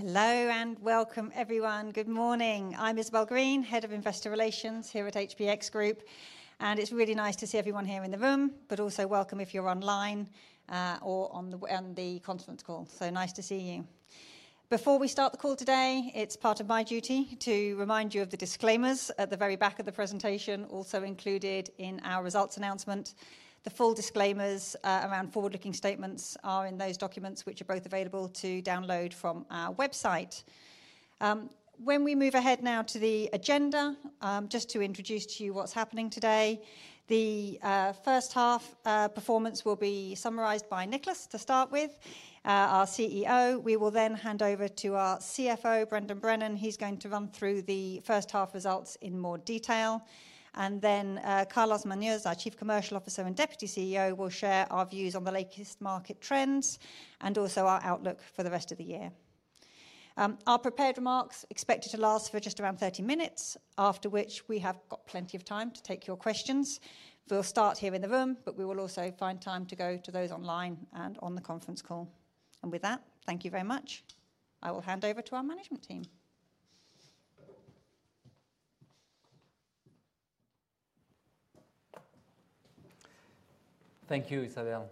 Hello and welcome, everyone. Good morning. I'm Isabel Green, Head of Investor Relations here at HBX Group, and it's really nice to see everyone here in the room, but also welcome if you're online or on the conference call. So nice to see you. Before we start the call today, it's part of my duty to remind you of the disclaimers at the very back of the presentation, also included in our results announcement. The full disclaimers around forward-looking statements are in those documents which are both available to download from our website. When we move ahead now to the agenda, just to introduce to you what's happening today, the first half performance will be summarized by Nicolas to start with, our CEO. We will then hand over to our CFO, Brendan Brennan. He's going to run through the first half results in more detail. Carlos Muñoz, our Chief Commercial Officer and Deputy CEO, will share our views on the latest market trends and also our outlook for the rest of the year. Our prepared remarks are expected to last for just around 30 minutes, after which we have got plenty of time to take your questions. We will start here in the room, but we will also find time to go to those online and on the conference call. With that, thank you very much. I will hand over to our management team. Thank you, Isabel.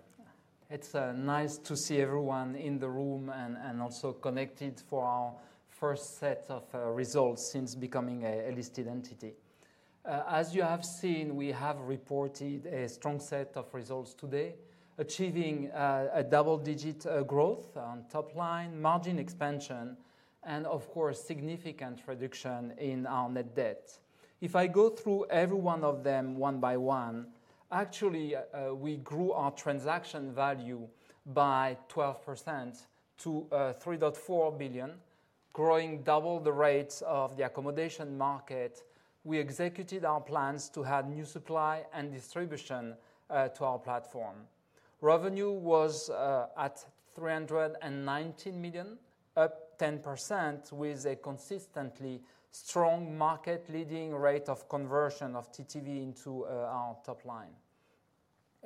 It's nice to see everyone in the room and also connected for our first set of results since becoming a listed entity. As you have seen, we have reported a strong set of results today, achieving a double-digit growth on top line, margin expansion, and of course, significant reduction in our net debt. If I go through every one of them one by one, actually, we grew our transaction value by 12% to 3.4 billion, growing double the rates of the accommodation market. We executed our plans to add new supply and distribution to our platform. Revenue was at 319 million, up 10%, with a consistently strong market-leading rate of conversion of TTV into our top line.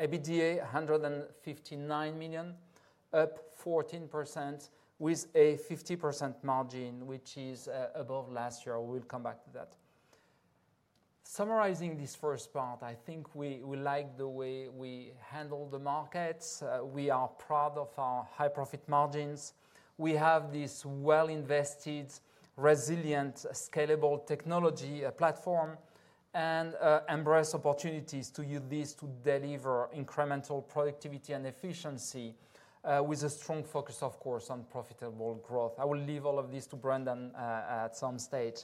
EBITDA 159 million, up 14%, with a 50% margin, which is above last year. We'll come back to that. Summarizing this first part, I think we like the way we handle the markets. We are proud of our high-profit margins. We have this well-invested, resilient, scalable technology platform and embrace opportunities to use this to deliver incremental productivity and efficiency with a strong focus, of course, on profitable growth. I will leave all of this to Brendan at some stage.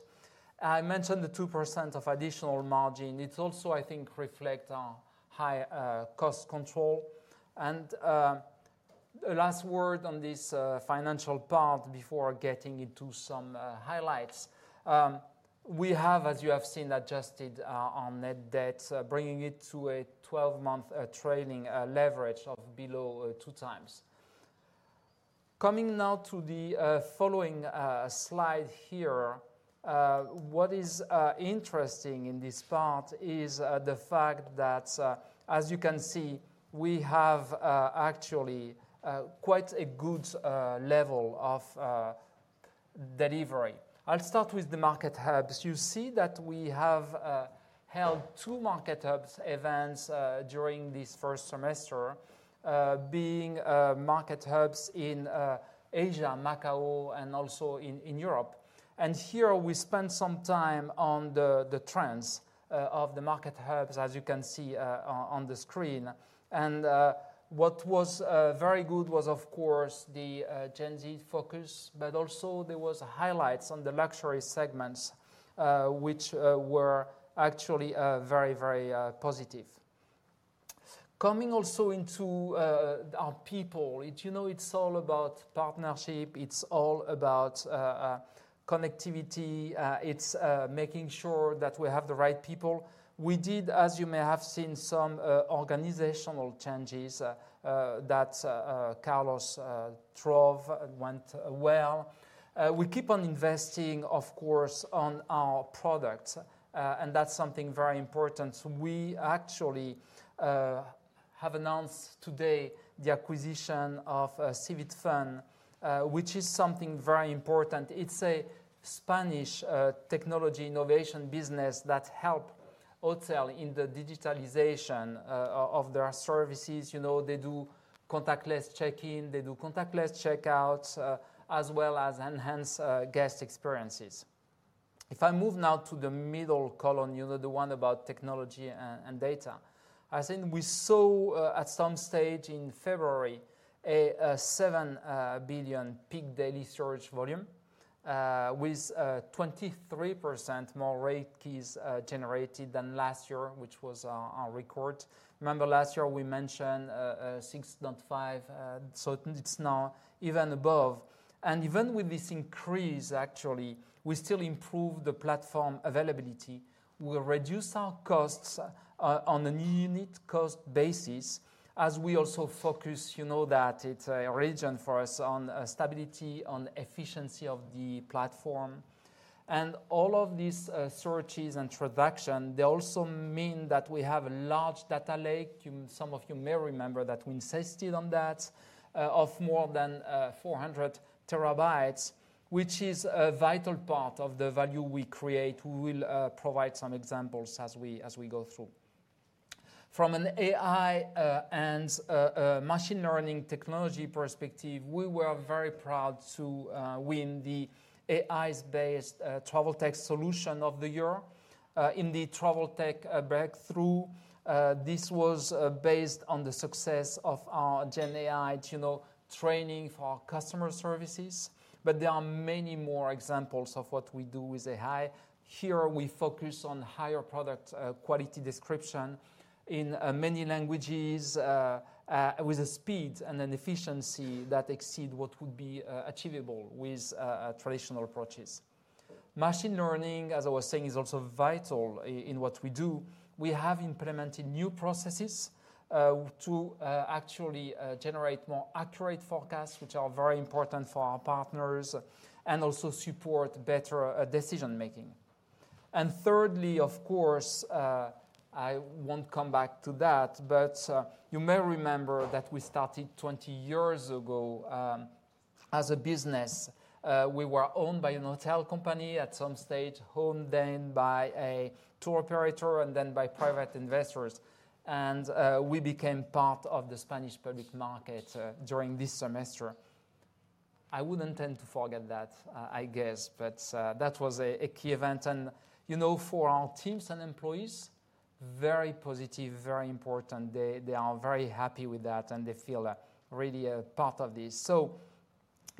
I mentioned the 2% of additional margin. It also, I think, reflects our high cost control. The last word on this financial part before getting into some highlights. We have, as you have seen, adjusted our net debt, bringing it to a 12-month trailing leverage of below two times. Coming now to the following slide here, what is interesting in this part is the fact that, as you can see, we have actually quite a good level of delivery. I'll start with the market hubs. You see that we have held two MarketHub events during this first semester, being MarketHub in Asia, Macao, and also in Europe. Here we spent some time on the trends of the MarketHub, as you can see on the screen. What was very good was, of course, the Gen Z focus, but also there were highlights on the luxury segments, which were actually very, very positive. Coming also into our people, you know, it is all about partnership. It is all about connectivity. It is making sure that we have the right people. We did, as you may have seen, some organizational changes that Carlos drove went well. We keep on investing, of course, in our products, and that is something very important. We actually have announced today the acquisition of Civitfun, which is something very important. It's a Spanish technology innovation business that helps hotels in the digitalization of their services. You know, they do contactless check-in, they do contactless checkouts, as well as enhance guest experiences. If I move now to the middle column, you know, the one about technology and data, I think we saw at some stage in February a 7 billion peak daily storage volume, with 23% more rate keys generated than last year, which was our record. Remember last year we mentioned 6.5 billion, so it's now even above. Even with this increase, actually, we still improve the platform availability. We reduce our costs on a unit cost basis, as we also focus, you know, that it's a region for us on stability, on efficiency of the platform. All of these searches and transactions, they also mean that we have a large data lake. Some of you may remember that we insisted on that of more than 400 TB, which is a vital part of the value we create. We will provide some examples as we go through. From an AI and machine learning technology perspective, we were very proud to win the AI-Based Travel Tech Solution of the Year in the TravelTech Breakthrough. This was based on the success of our Gen AI training for our customer services. There are many more examples of what we do with AI. Here we focus on higher product quality description in many languages, with a speed and an efficiency that exceed what would be achievable with traditional approaches. Machine learning, as I was saying, is also vital in what we do. We have implemented new processes to actually generate more accurate forecasts, which are very important for our partners and also support better decision-making. Thirdly, of course, I will not come back to that, but you may remember that we started 20 years ago as a business. We were owned by a hotel company at some stage, owned then by a tour operator and then by private investors. We became part of the Spanish public market during this semester. I would not tend to forget that, I guess, but that was a key event. You know, for our teams and employees, very positive, very important. They are very happy with that, and they feel really a part of this.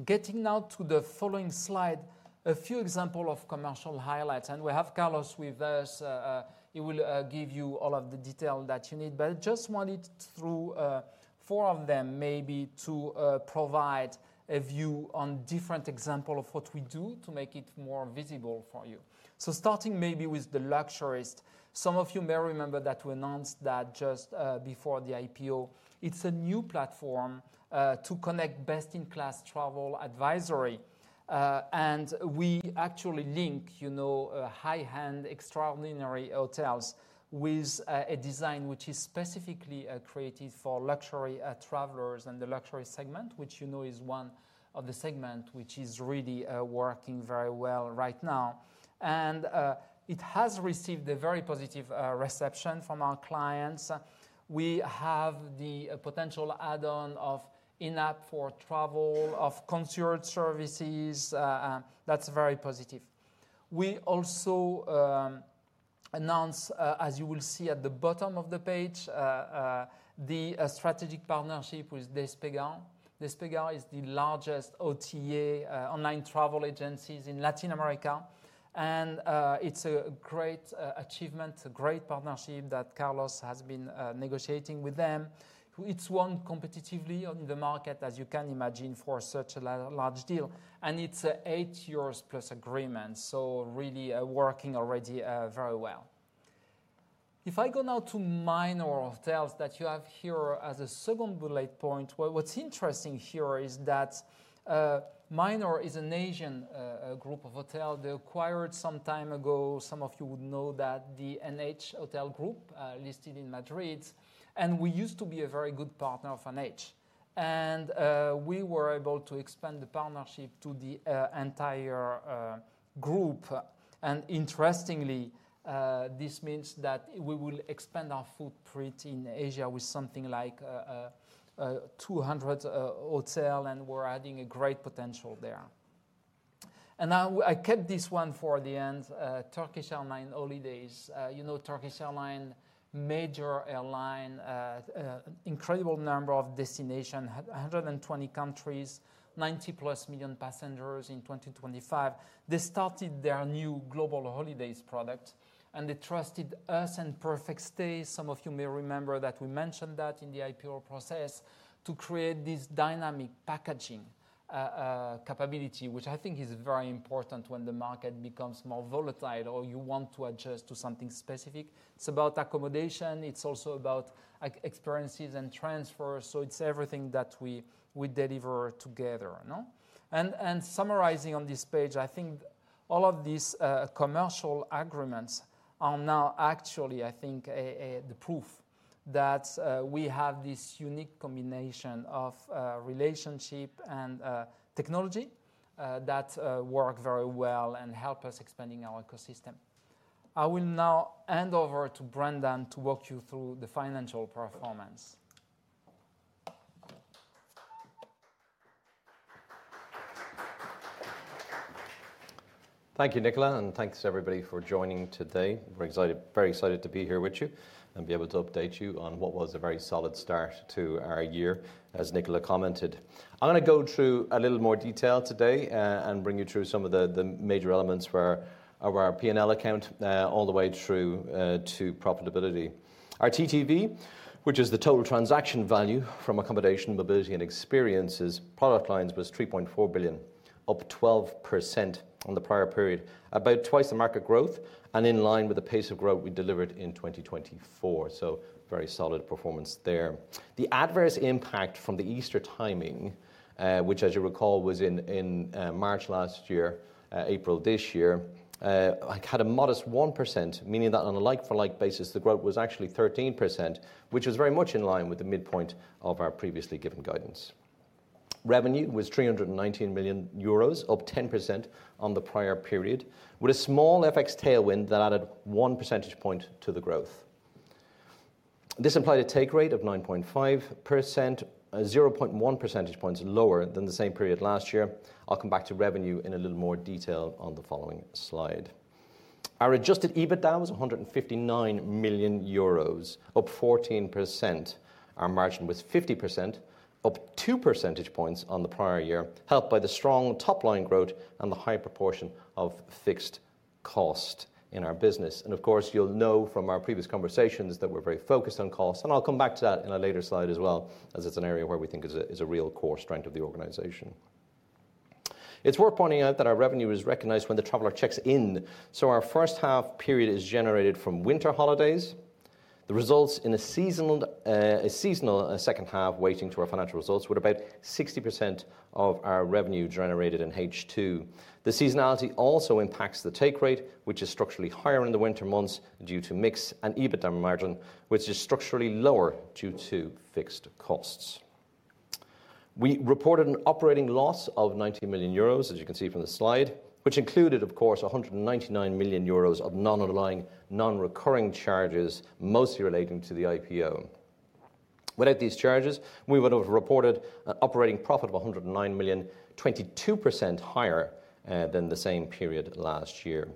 Getting now to the following slide, a few examples of commercial highlights. We have Carlos with us. He will give you all of the detail that you need, but I just wanted through four of them maybe to provide a view on different examples of what we do to make it more visible for you. Starting maybe with The Luxurist. Some of you may remember that we announced that just before the IPO. It is a new platform to connect best-in-class travel advisory. We actually link, you know, high-end, extraordinary hotels with a design which is specifically created for luxury travelers and the luxury segment, which, you know, is one of the segments which is really working very well right now. It has received a very positive reception from our clients. We have the potential add-on of in-app for travel, of concierge services. That is very positive. We also announced, as you will see at the bottom of the page, the strategic partnership with Despegar. Despegar is the largest OTA, online travel agency, in Latin America. It is a great achievement, a great partnership that Carlos has been negotiating with them. It is won competitively in the market, as you can imagine, for such a large deal. It is an eight-year-plus agreement, so really working already very well. If I go now to Minor Hotels that you have here as a second bullet point, what is interesting here is that Minor is an Asian group of hotels. They acquired some time ago, some of you would know that, the NH Hotel Group listed in Madrid. We used to be a very good partner of NH, and we were able to expand the partnership to the entire group. Interestingly, this means that we will expand our footprint in Asia with something like 200 hotels, and we are adding a great potential there. I kept this one for the end: Turkish Airlines Holidays. You know, Turkish Airlines, major airline, incredible number of destinations, 120 countries, 90+ million passengers in 2025. They started their new global holidays product, and they trusted us and PerfectStay. Some of you may remember that we mentioned that in the IPO process to create this dynamic packaging capability, which I think is very important when the market becomes more volatile or you want to adjust to something specific. It is about accommodation. It is also about experiences and transfers. It is everything that we deliver together. Summarizing on this page, I think all of these commercial agreements are now actually, I think, the proof that we have this unique combination of relationship and technology that work very well and help us expand our ecosystem. I will now hand over to Brendan to walk you through the financial performance. Thank you, Nicolas, and thanks to everybody for joining today. We're very excited to be here with you and be able to update you on what was a very solid start to our year, as Nicolas commented. I'm going to go through a little more detail today and bring you through some of the major elements for our P&L account all the way through to profitability. Our TTV, which is the total transaction value from accommodation, mobility, and experiences product lines, was 3.4 billion, up 12% on the prior period, about twice the market growth and in line with the pace of growth we delivered in 2024. Very solid performance there. The adverse impact from the Easter timing, which, as you recall, was in March last year, April this year, had a modest 1%, meaning that on a like-for-like basis, the growth was actually 13%, which was very much in line with the midpoint of our previously given guidance. Revenue was 319 million euros, up 10% on the prior period, with a small FX tailwind that added one percentage point to the growth. This implied a take rate of 9.5%, 0.1 percentage points lower than the same period last year. I'll come back to revenue in a little more detail on the following slide. Our Adjusted EBITDA was 159 million euros, up 14%. Our margin was 50%, up 2 percentage points on the prior year, helped by the strong top-line growth and the high proportion of fixed cost in our business. Of course, you'll know from our previous conversations that we're very focused on cost. I'll come back to that in a later slide as well, as it's an area where we think is a real core strength of the organization. It's worth pointing out that our revenue is recognized when the traveler checks in. Our first half period is generated from winter holidays. The results in a seasonal second half weighting to our financial results were about 60% of our revenue generated in H2. The seasonality also impacts the take rate, which is structurally higher in the winter months due to mix, and EBITDA margin, which is structurally lower due to fixed costs. We reported an operating loss of 90 million euros, as you can see from the slide, which included, of course, 199 million euros of non-underlying, non-recurring charges, mostly relating to the IPO. Without these charges, we would have reported an operating profit of 109 million, 22% higher than the same period last year.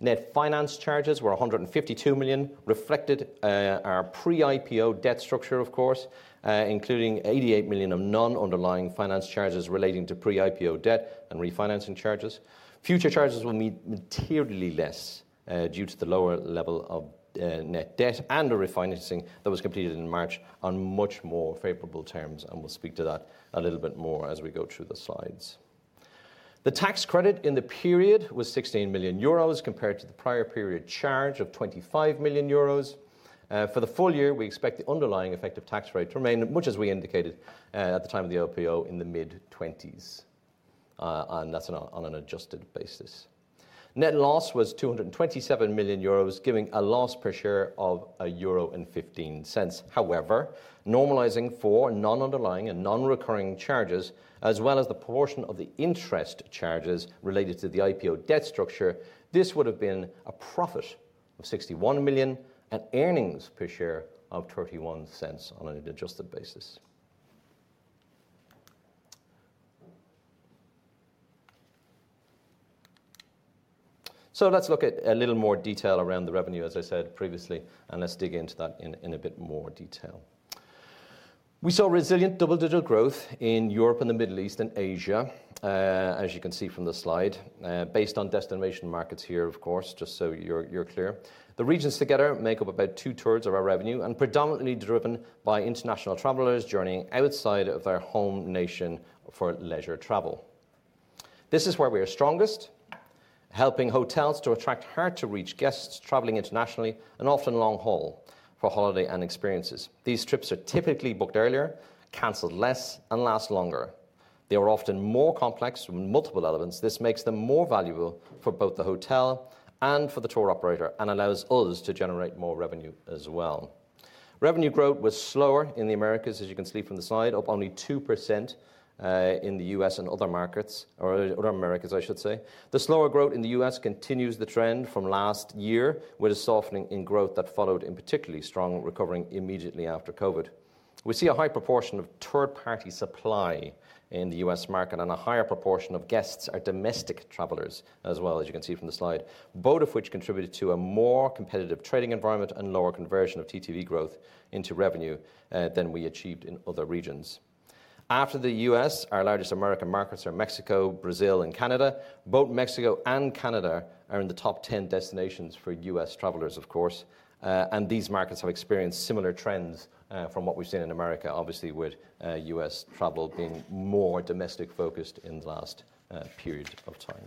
Net finance charges were 152 million, reflected our pre-IPO debt structure, of course, including 88 million of non-underlying finance charges relating to pre-IPO debt and refinancing charges. Future charges will be materially less due to the lower level of net debt and the refinancing that was completed in March on much more favorable terms. We will speak to that a little bit more as we go through the slides. The tax credit in the period was 16 million euros compared to the prior period charge of 25 million euros. For the full year, we expect the underlying effective tax rate to remain, much as we indicated at the time of the IPO, in the mid-20s. That is on an adjusted basis. Net loss was 227 million euros, giving a loss per share of 1.15 euro. However, normalizing for non-underlying and non-recurring charges, as well as the proportion of the interest charges related to the IPO debt structure, this would have been a profit of 61 million and earnings per share of 0.31 on an adjusted basis. Let's look at a little more detail around the revenue, as I said previously, and let's dig into that in a bit more detail. We saw resilient double-digit growth in Europe and the Middle East and Asia, as you can see from the slide, based on destination markets here, of course, just so you're clear. The regions together make up about two-thirds of our revenue, and predominantly driven by international travelers journeying outside of their home nation for leisure travel. This is where we are strongest, helping hotels to attract hard-to-reach guests traveling internationally and often long-haul for holiday and experiences. These trips are typically booked earlier, canceled less, and last longer. They are often more complex with multiple elements. This makes them more valuable for both the hotel and for the tour operator and allows us to generate more revenue as well. Revenue growth was slower in the Americas, as you can see from the slide, up only 2% in the U.S. and other markets, or other Americas, I should say. The slower growth in the U.S. continues the trend from last year, with a softening in growth that followed in particularly strong recovering immediately after COVID. We see a high proportion of third-party supply in the U.S. market and a higher proportion of guests are domestic travelers as well, as you can see from the slide, both of which contributed to a more competitive trading environment and lower conversion of TTV growth into revenue than we achieved in other regions. After the U.S., our largest American markets are Mexico, Brazil, and Canada. Both Mexico and Canada are in the top 10 destinations for U.S. travelers, of course. These markets have experienced similar trends from what we've seen in America, obviously with U.S. travel being more domestic-focused in the last period of time.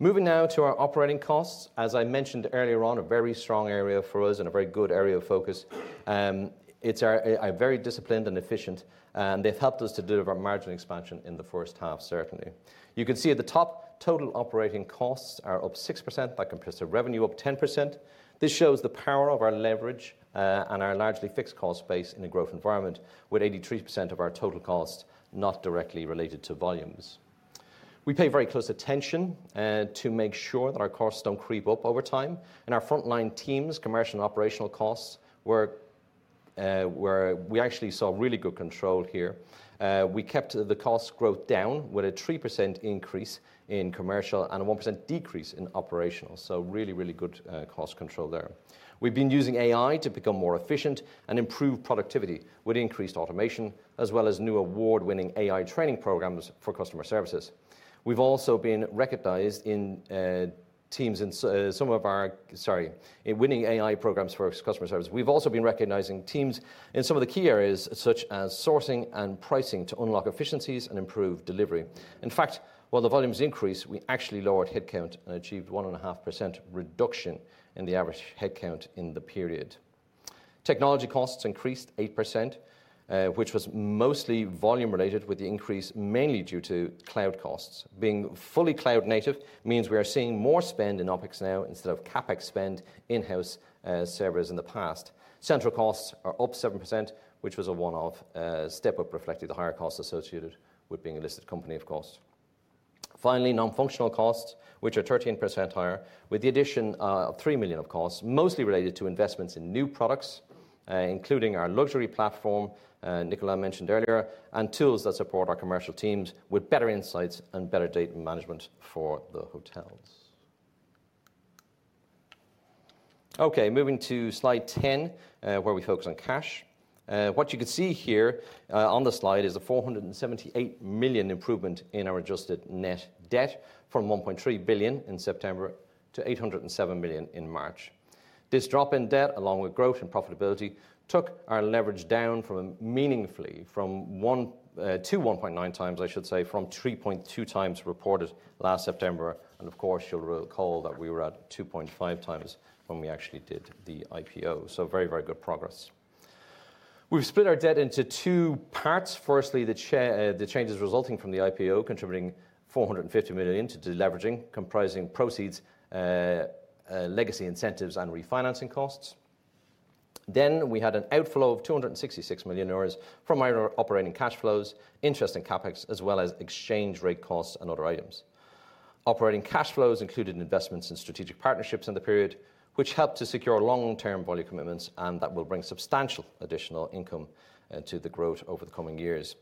Moving now to our operating costs. As I mentioned earlier on, a very strong area for us and a very good area of focus. It's very disciplined and efficient, and they've helped us to deliver margin expansion in the first half, certainly. You can see at the top, total operating costs are up 6%. That compares to revenue up 10%. This shows the power of our leverage and our largely fixed cost base in a growth environment, with 83% of our total cost not directly related to volumes. We pay very close attention to make sure that our costs do not creep up over time. Our frontline teams, commercial and operational costs, where we actually saw really good control here, we kept the cost growth down with a 3% increase in commercial and a 1% decrease in operational. Really, really good cost control there. We have been using AI to become more efficient and improve productivity with increased automation, as well as new award-winning AI training programs for customer services. We have also been recognized in teams in some of our, sorry, winning AI programs for customer service. We've also been recognizing teams in some of the key areas, such as sourcing and pricing, to unlock efficiencies and improve delivery. In fact, while the volumes increased, we actually lowered headcount and achieved a 1.5% reduction in the average headcount in the period. Technology costs increased 8%, which was mostly volume-related, with the increase mainly due to cloud costs. Being fully cloud-native means we are seeing more spend in OpEx now instead of CapEx spend in-house servers in the past. Central costs are up 7%, which was a one-off step up, reflecting the higher cost associated with being a listed company, of course. Finally, non-functional costs, which are 13% higher, with the addition of 3 million, of course, mostly related to investments in new products, including our luxury platform, Nicola mentioned earlier, and tools that support our commercial teams with better insights and better data management for the hotels. Okay, moving to slide 10, where we focus on cash. What you can see here on the slide is a 478 million improvement in our adjusted net debt from 1.3 billion in September to 807 million in March. This drop in debt, along with growth and profitability, took our leverage down meaningfully from 3.2 times reported last September to 1.9 times. You will recall that we were at 2.5 times when we actually did the IPO. Very, very good progress. We have split our debt into two parts. Firstly, the changes resulting from the IPO contributing 450 million into the leveraging, comprising proceeds, legacy incentives, and refinancing costs. We had an outflow of 266 million euros from our operating cash flows, interest and CAPEX, as well as exchange rate costs and other items. Operating cash flows included investments in strategic partnerships in the period, which helped to secure long-term volume commitments, and that will bring substantial additional income to the growth over the coming years.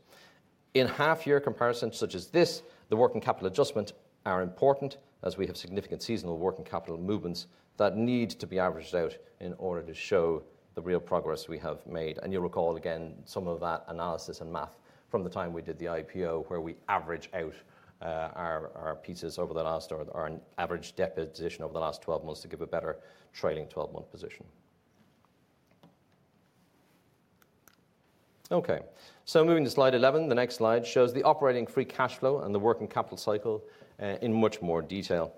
In half-year comparisons such as this, the working capital adjustments are important, as we have significant seasonal working capital movements that need to be averaged out in order to show the real progress we have made. You'll recall, again, some of that analysis and math from the time we did the IPO, where we average out our pieces over the last or our average debt position over the last 12 months to give a better trailing 12-month position. Moving to slide 11, the next slide shows the operating free cash flow and the working capital cycle in much more detail.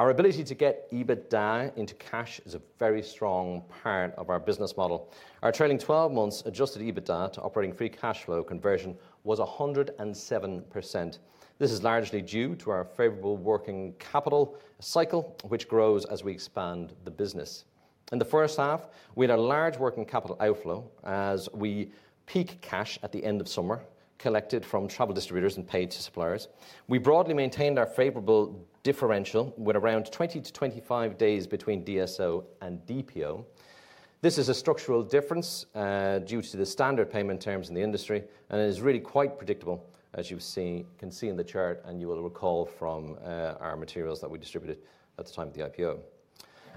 Our ability to get EBITDA into cash is a very strong part of our business model. Our trailing 12-months Adjusted EBITDA to operating free cash flow conversion was 107%. This is largely due to our favorable working capital cycle, which grows as we expand the business. In the first half, we had a large working capital outflow as we peak cash at the end of summer collected from travel distributors and paid to suppliers. We broadly maintained our favorable differential with around 20-25 days between DSO and DPO. This is a structural difference due to the standard payment terms in the industry, and it is really quite predictable, as you can see in the chart, and you will recall from our materials that we distributed at the time of the IPO.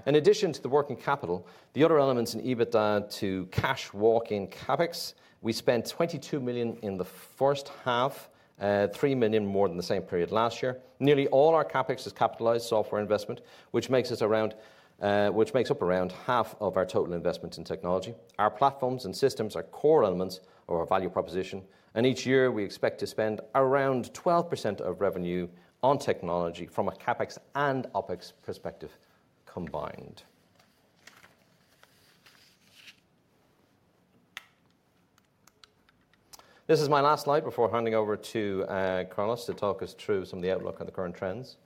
In addition to the working capital, the other elements in EBITDA to cash walk-in CapEx, we spent 22 million in the first half, 3 million more than the same period last year. Nearly all our CapEx is capitalized software investment, which makes up around half of our total investment in technology. Our platforms and systems are core elements of our value proposition, and each year we expect to spend around 12% of revenue on technology from a CapEx and OpEx perspective combined. This is my last slide before handing over to Carlos to talk us through some of the outlook and the current trends.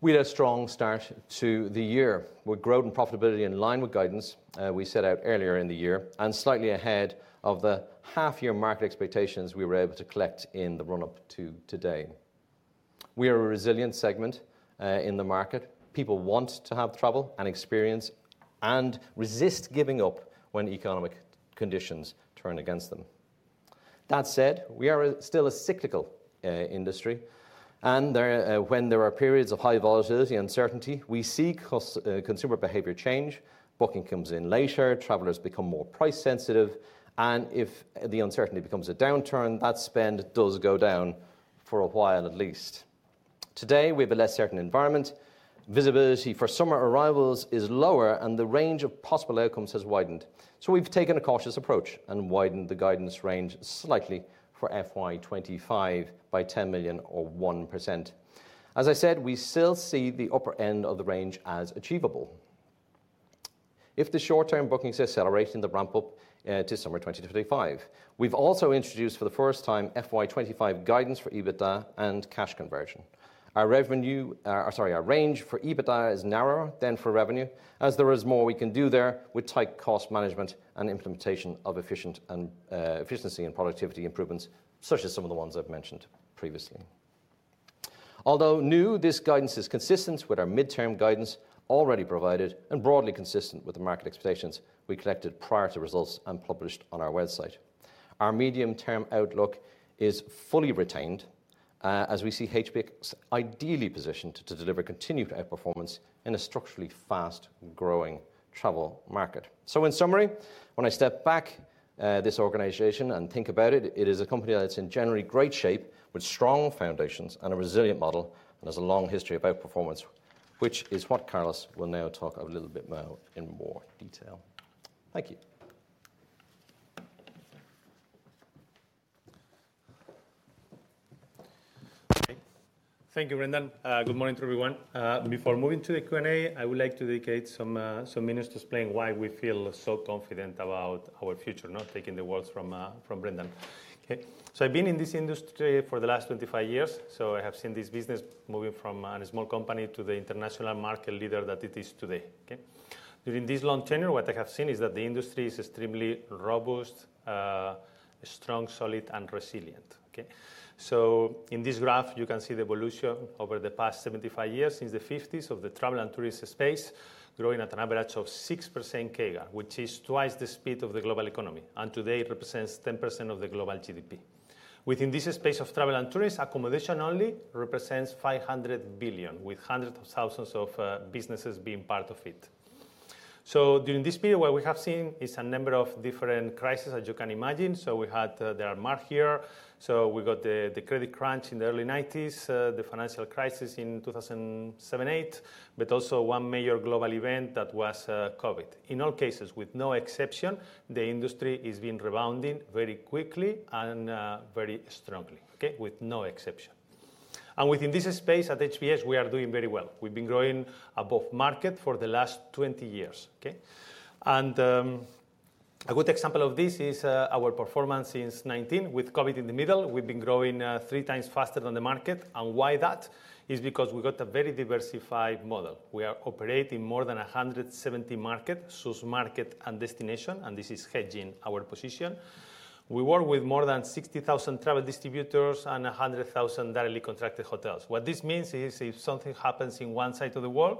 We had a strong start to the year with growth and profitability in line with guidance we set out earlier in the year and slightly ahead of the half-year market expectations we were able to collect in the run-up to today. We are a resilient segment in the market. People want to have travel and experience and resist giving up when economic conditions turn against them. That said, we are still a cyclical industry, and when there are periods of high volatility and uncertainty, we see consumer behavior change. Booking comes in later, travelers become more price-sensitive, and if the uncertainty becomes a downturn, that spend does go down for a while at least. Today, we have a less certain environment. Visibility for summer arrivals is lower, and the range of possible outcomes has widened. We have taken a cautious approach and widened the guidance range slightly for FY 2025 by 10 million or 1%. As I said, we still see the upper end of the range as achievable if the short-term bookings are accelerating the ramp-up to summer 2025. We've also introduced for the first time FY 2025 guidance for EBITDA and cash conversion. Our range for EBITDA is narrower than for revenue, as there is more we can do there with tight cost management and implementation of efficient and efficiency and productivity improvements, such as some of the ones I've mentioned previously. Although new, this guidance is consistent with our midterm guidance already provided and broadly consistent with the market expectations we collected prior to results and published on our website. Our medium-term outlook is fully retained as we see HBX ideally positioned to deliver continued outperformance in a structurally fast-growing travel market. In summary, when I step back, this organization and think about it, it is a company that's in generally great shape with strong foundations and a resilient model and has a long history of outperformance, which is what Carlos will now talk a little bit more in more detail. Thank you. Okay, thank you, Brendan. Good morning to everyone. Before moving to the Q&A, I would like to dedicate some minutes to explain why we feel so confident about our future, not taking the words from Brendan. Okay, I have been in this industry for the last 25 years, so I have seen this business moving from a small company to the international market leader that it is today. During this long tenure, what I have seen is that the industry is extremely robust, strong, solid, and resilient. Okay, so in this graph, you can see the evolution over the past 75 years since the 1950s of the travel and tourism space, growing at an average of 6% CAGR, which is twice the speed of the global economy, and today represents 10% of the global GDP. Within this space of travel and tourism, accommodation only represents 500 billion, with hundreds of thousands of businesses being part of it. During this period, what we have seen is a number of different crises, as you can imagine. We had the remark here. We got the credit crunch in the early 1990s, the financial crisis in 2007-2008, but also one major global event that was COVID. In all cases, with no exception, the industry is rebounding very quickly and very strongly, with no exception. Within this space at HBX, we are doing very well. We've been growing above market for the last 20 years. Okay, and a good example of this is our performance since 2019. With COVID in the middle, we've been growing three times faster than the market. And why that is because we got a very diversified model. We are operating more than 170 markets, so it's market and destination, and this is hedging our position. We work with more than 60,000 travel distributors and 100,000 directly contracted hotels. What this means is if something happens on one side of the world,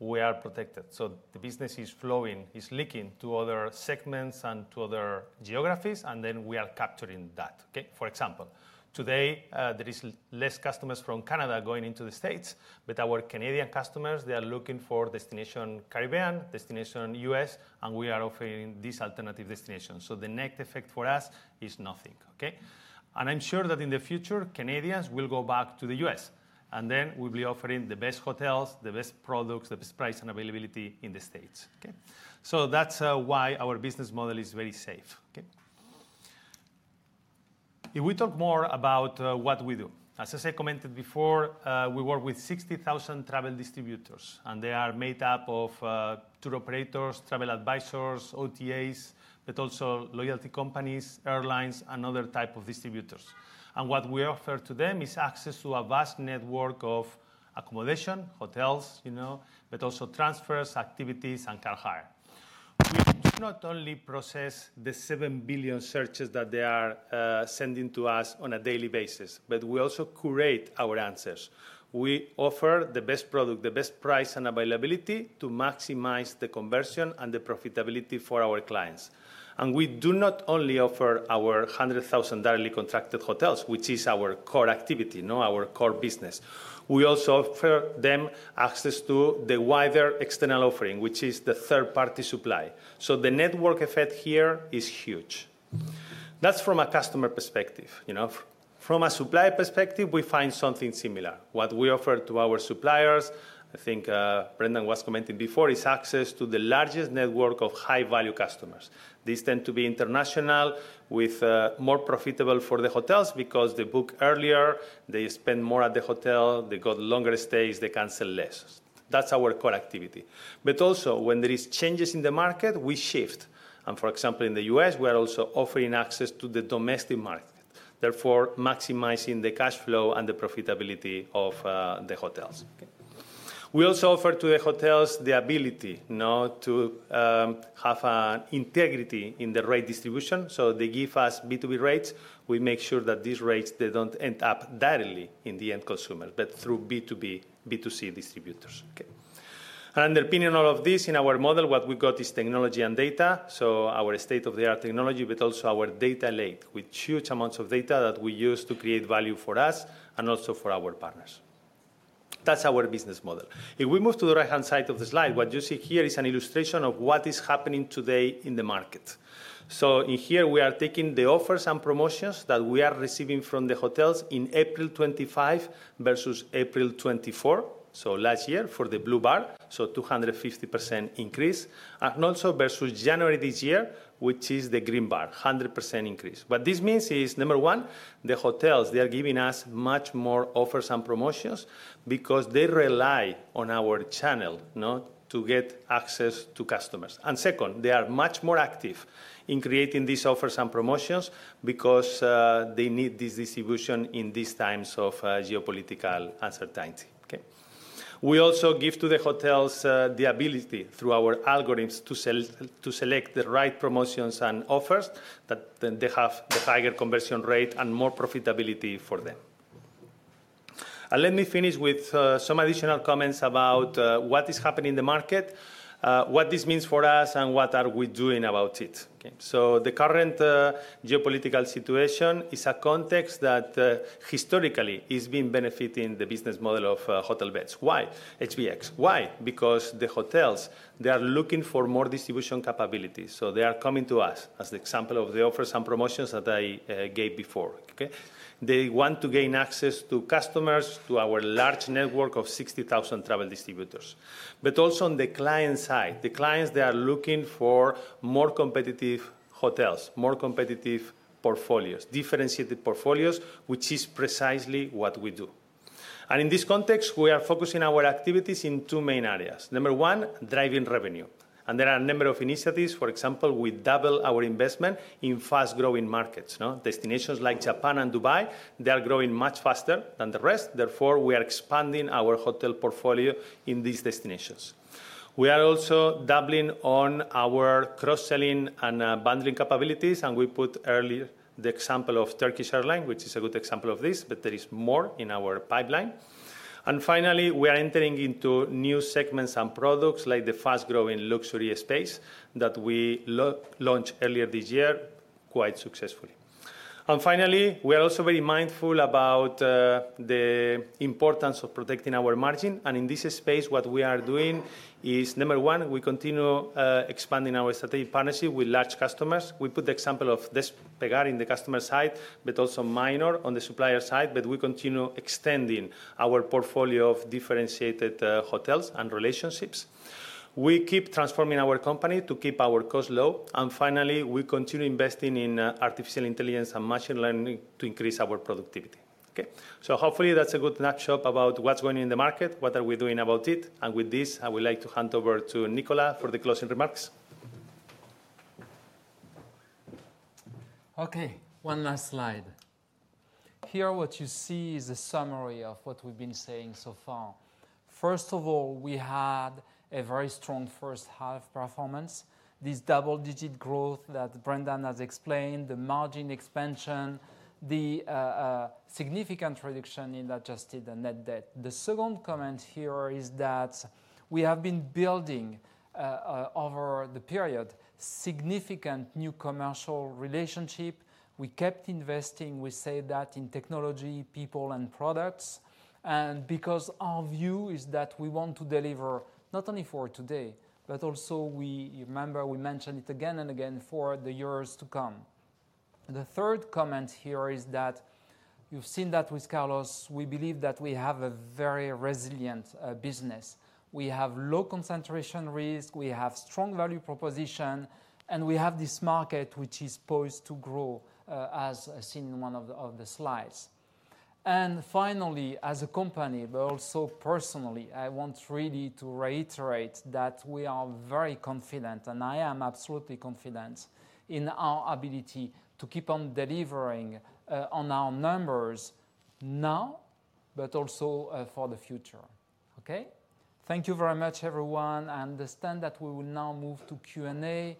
we are protected. So the business is flowing, is leaking to other segments and to other geographies, and then we are capturing that. Okay, for example, today there are fewer customers from Canada going into the States, but our Canadian customers, they are looking for destination Caribbean, destination U.S., and we are offering this alternative destination. The net effect for us is nothing. Okay, and I'm sure that in the future, Canadians will go back to the U.S., and then we'll be offering the best hotels, the best products, the best price and availability in the States. Okay, that's why our business model is very safe. Okay, if we talk more about what we do, as I commented before, we work with 60,000 travel distributors, and they are made up of tour operators, travel advisors, OTAs, but also loyalty companies, airlines, and other types of distributors. What we offer to them is access to a vast network of accommodation, hotels, you know, but also transfers, activities, and car hire. We do not only process the 7 billion searches that they are sending to us on a daily basis, but we also curate our answers. We offer the best product, the best price and availability to maximize the conversion and the profitability for our clients. We do not only offer our 100,000 directly contracted hotels, which is our core activity, not our core business. We also offer them access to the wider external offering, which is the third-party supply. The network effect here is huge. That is from a customer perspective. You know, from a supply perspective, we find something similar. What we offer to our suppliers, I think Brendan was commenting before, is access to the largest network of high-value customers. These tend to be international, with more profitable for the hotels because they book earlier, they spend more at the hotel, they got longer stays, they cancel less. That is our core activity. Also, when there are changes in the market, we shift. For example, in the U.S., we are also offering access to the domestic market, therefore maximizing the cash flow and the profitability of the hotels. We also offer to the hotels the ability to have integrity in the rate distribution. They give us B2B rates. We make sure that these rates, they do not end up directly in the end consumers, but through B2B, B2C distributors. Okay, in the opinion of all of this in our model, what we got is technology and data. Our state-of-the-art technology, but also our data lake, with huge amounts of data that we use to create value for us and also for our partners. That is our business model. If we move to the right-hand side of the slide, what you see here is an illustration of what is happening today in the market. In here, we are taking the offers and promotions that we are receiving from the hotels in April 2025 versus April 2024, so last year for the blue bar, so 250% increase, and also versus January this year, which is the green bar, 100% increase. What this means is, number one, the hotels, they are giving us much more offers and promotions because they rely on our channel, you know, to get access to customers. And second, they are much more active in creating these offers and promotions because they need this distribution in these times of geopolitical uncertainty. Okay, we also give to the hotels the ability through our algorithms to select the right promotions and offers that have the higher conversion rate and more profitability for them. Let me finish with some additional comments about what is happening in the market, what this means for us, and what we are doing about it. The current geopolitical situation is a context that historically has been benefiting the business model of Hotelbeds. Why HBX? Why? Because the hotels, they are looking for more distribution capabilities. They are coming to us as the example of the offers and promotions that I gave before. They want to gain access to customers, to our large network of 60,000 travel distributors, but also on the client side. The clients, they are looking for more competitive hotels, more competitive portfolios, differentiated portfolios, which is precisely what we do. In this context, we are focusing our activities in two main areas. Number one, driving revenue. There are a number of initiatives. For example, we double our investment in fast-growing markets, you know, destinations like Japan and Dubai. They are growing much faster than the rest. Therefore, we are expanding our hotel portfolio in these destinations. We are also doubling on our cross-selling and bundling capabilities, and we put earlier the example of Turkish Airlines, which is a good example of this, but there is more in our pipeline. Finally, we are entering into new segments and products like the fast-growing luxury space that we launched earlier this year quite successfully. Finally, we are also very mindful about the importance of protecting our margin. In this space, what we are doing is, number one, we continue expanding our strategic partnership with large customers. We put the example of Despegar in the customer side, but also Minor on the supplier side, but we continue extending our portfolio of differentiated hotels and relationships. We keep transforming our company to keep our costs low. Finally, we continue investing in artificial intelligence and machine learning to increase our productivity. Okay, so hopefully that's a good snapshot about what's going on in the market, what are we doing about it. With this, I would like to hand over to Nicolas for the closing remarks. Okay, one last slide. Here, what you see is a summary of what we've been saying so far. First of all, we had a very strong first-half performance, this double-digit growth that Brendan has explained, the margin expansion, the significant reduction in adjusted net debt. The second comment here is that we have been building over the period significant new commercial relationship. We kept investing, we say that in technology, people, and products. Our view is that we want to deliver not only for today, but also we remember we mentioned it again and again for the years to come. The third comment here is that you have seen that with Carlos. We believe that we have a very resilient business. We have low concentration risk, we have strong value proposition, and we have this market which is poised to grow, as seen in one of the slides. Finally, as a company, but also personally, I want really to reiterate that we are very confident, and I am absolutely confident in our ability to keep on delivering on our numbers now, but also for the future. Okay, thank you very much, everyone. I understand that we will now move to Q&A.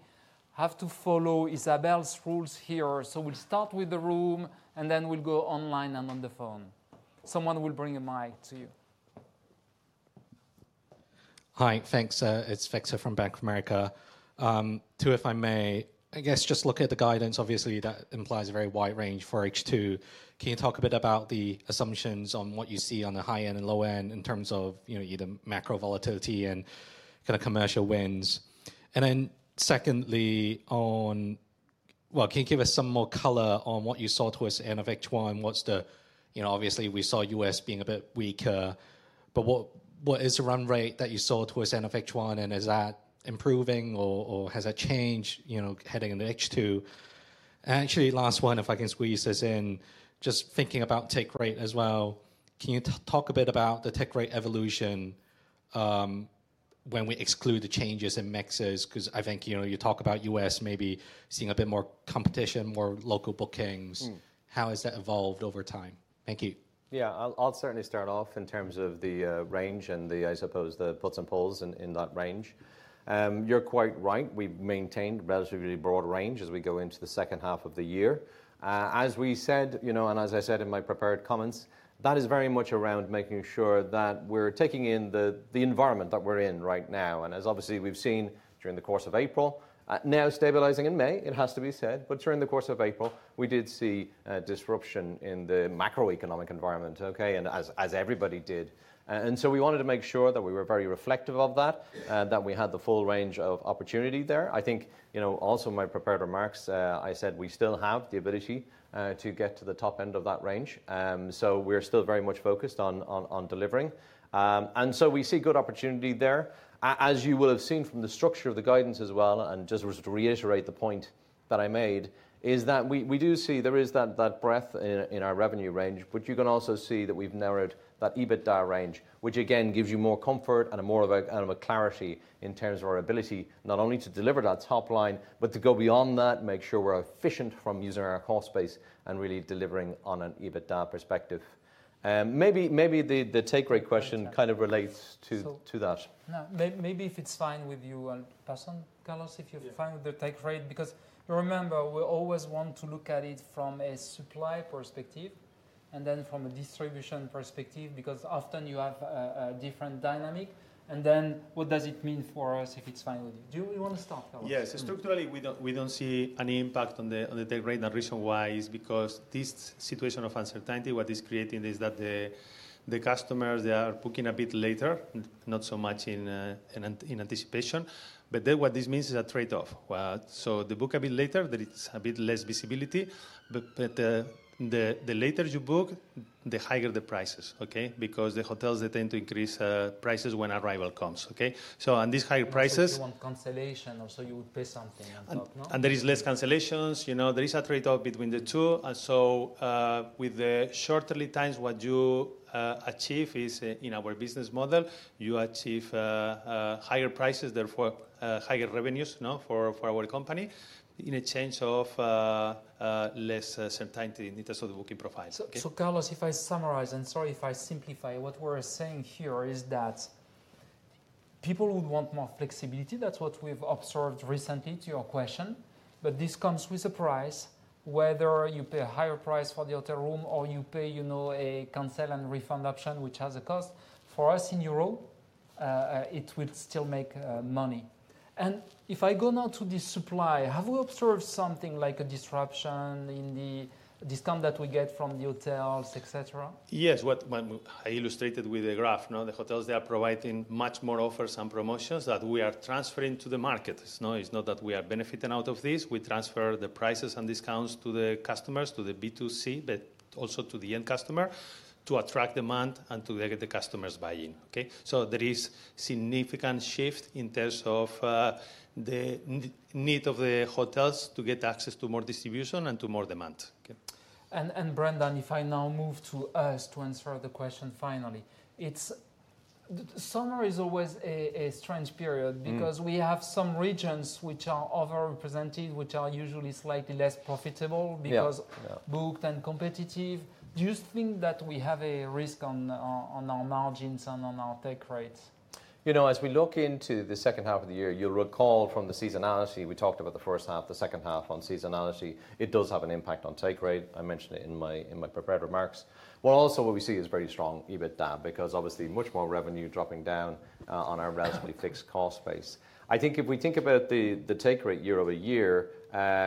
I have to follow Isabel's rules here, so we'll start with the room and then we'll go online and on the phone. Someone will bring a mic to you. Hi, thanks. It's Victor from Bank of America. Too, if I may, I guess just look at the guidance, obviously that implies a very wide range for H2. Can you talk a bit about the assumptions on what you see on the high end and low end in terms of, you know, either macro volatility and kind of commercial wins? And then secondly, on, well, can you give us some more color on what you saw towards the end of H1? What's the, you know, obviously we saw U.S. being a bit weaker, but what is the run rate that you saw towards the end of H1? And is that improving or has that changed, you know, heading into H2? Actually, last one, if I can squeeze this in, just thinking about take rate as well, can you talk a bit about the take rate evolution when we exclude the changes in mixes? Because I think, you know, you talk about U.S. maybe seeing a bit more competition, more local bookings. How has that evolved over time? Thank you. Yeah, I'll certainly start off in terms of the range and the, I suppose, the puts and pulls in that range. You're quite right. We've maintained a relatively broad range as we go into the second half of the year. As we said, you know, and as I said in my prepared comments, that is very much around making sure that we're taking in the environment that we're in right now. As obviously we've seen during the course of April, now stabilizing in May, it has to be said, but during the course of April, we did see disruption in the macroeconomic environment, okay, and as everybody did. We wanted to make sure that we were very reflective of that, that we had the full range of opportunity there. I think, you know, also in my prepared remarks, I said we still have the ability to get to the top end of that range. We're still very much focused on delivering. We see good opportunity there. As you will have seen from the structure of the guidance as well, and just to reiterate the point that I made, is that we do see there is that breadth in our revenue range, but you can also see that we've narrowed that EBITDA range, which again gives you more comfort and more of a clarity in terms of our ability not only to deliver that top line, but to go beyond that, make sure we're efficient from using our cost base and really delivering on an EBITDA perspective. Maybe the take rate question kind of relates to that. Maybe if it's fine with you, Carson, Carlos, if you're fine with the take rate, because remember, we always want to look at it from a supply perspective and then from a distribution perspective, because often you have a different dynamic. What does it mean for us if it's fine with you? Do you want to start? Yes, structurally, we do not see any impact on the take rate. The reason why is because this situation of uncertainty, what it is creating is that the customers, they are booking a bit later, not so much in anticipation, but then what this means is a trade-off. They book a bit later, there is a bit less visibility, but the later you book, the higher the prices, because the hotels, they tend to increase prices when arrival comes. On these higher prices. You want cancellation or so you would pay something on top, no? There are less cancellations, you know, there is a trade-off between the two. With the shorter lead times, what you achieve is in our business model, you achieve higher prices, therefore higher revenues, you know, for our company in exchange for less certainty in terms of the booking profile. Carlos, if I summarize and sorry if I simplify, what we are saying here is that people would want more flexibility. That is what we have observed recently to your question, but this comes with a price, whether you pay a higher price for the hotel room or you pay, you know, a cancel and refund option, which has a cost. For us in Europe, it will still make money. If I go now to the supply, have we observed something like a disruption in the discount that we get from the hotels, etc.? Yes, what I illustrated with the graph, you know, the hotels, they are providing much more offers and promotions that we are transferring to the markets. It's not that we are benefiting out of this. We transfer the prices and discounts to the customers, to the B2C, but also to the end customer to attract demand and to get the customers buying, okay? There is a significant shift in terms of the need of the hotels to get access to more distribution and to more demand. Brendan, if I now move to us to answer the question finally, summer is always a strange period because we have some regions which are overrepresented, which are usually slightly less profitable because booked and competitive. Do you think that we have a risk on our margins and on our take rates? You know, as we look into the second half of the year, you'll recall from the seasonality we talked about the first half, the second half on seasonality, it does have an impact on take rate. I mentioned it in my prepared remarks. Also what we see is very strong EBITDA because obviously much more revenue dropping down on our relatively fixed cost base. I think if we think about the take rate year-over-year,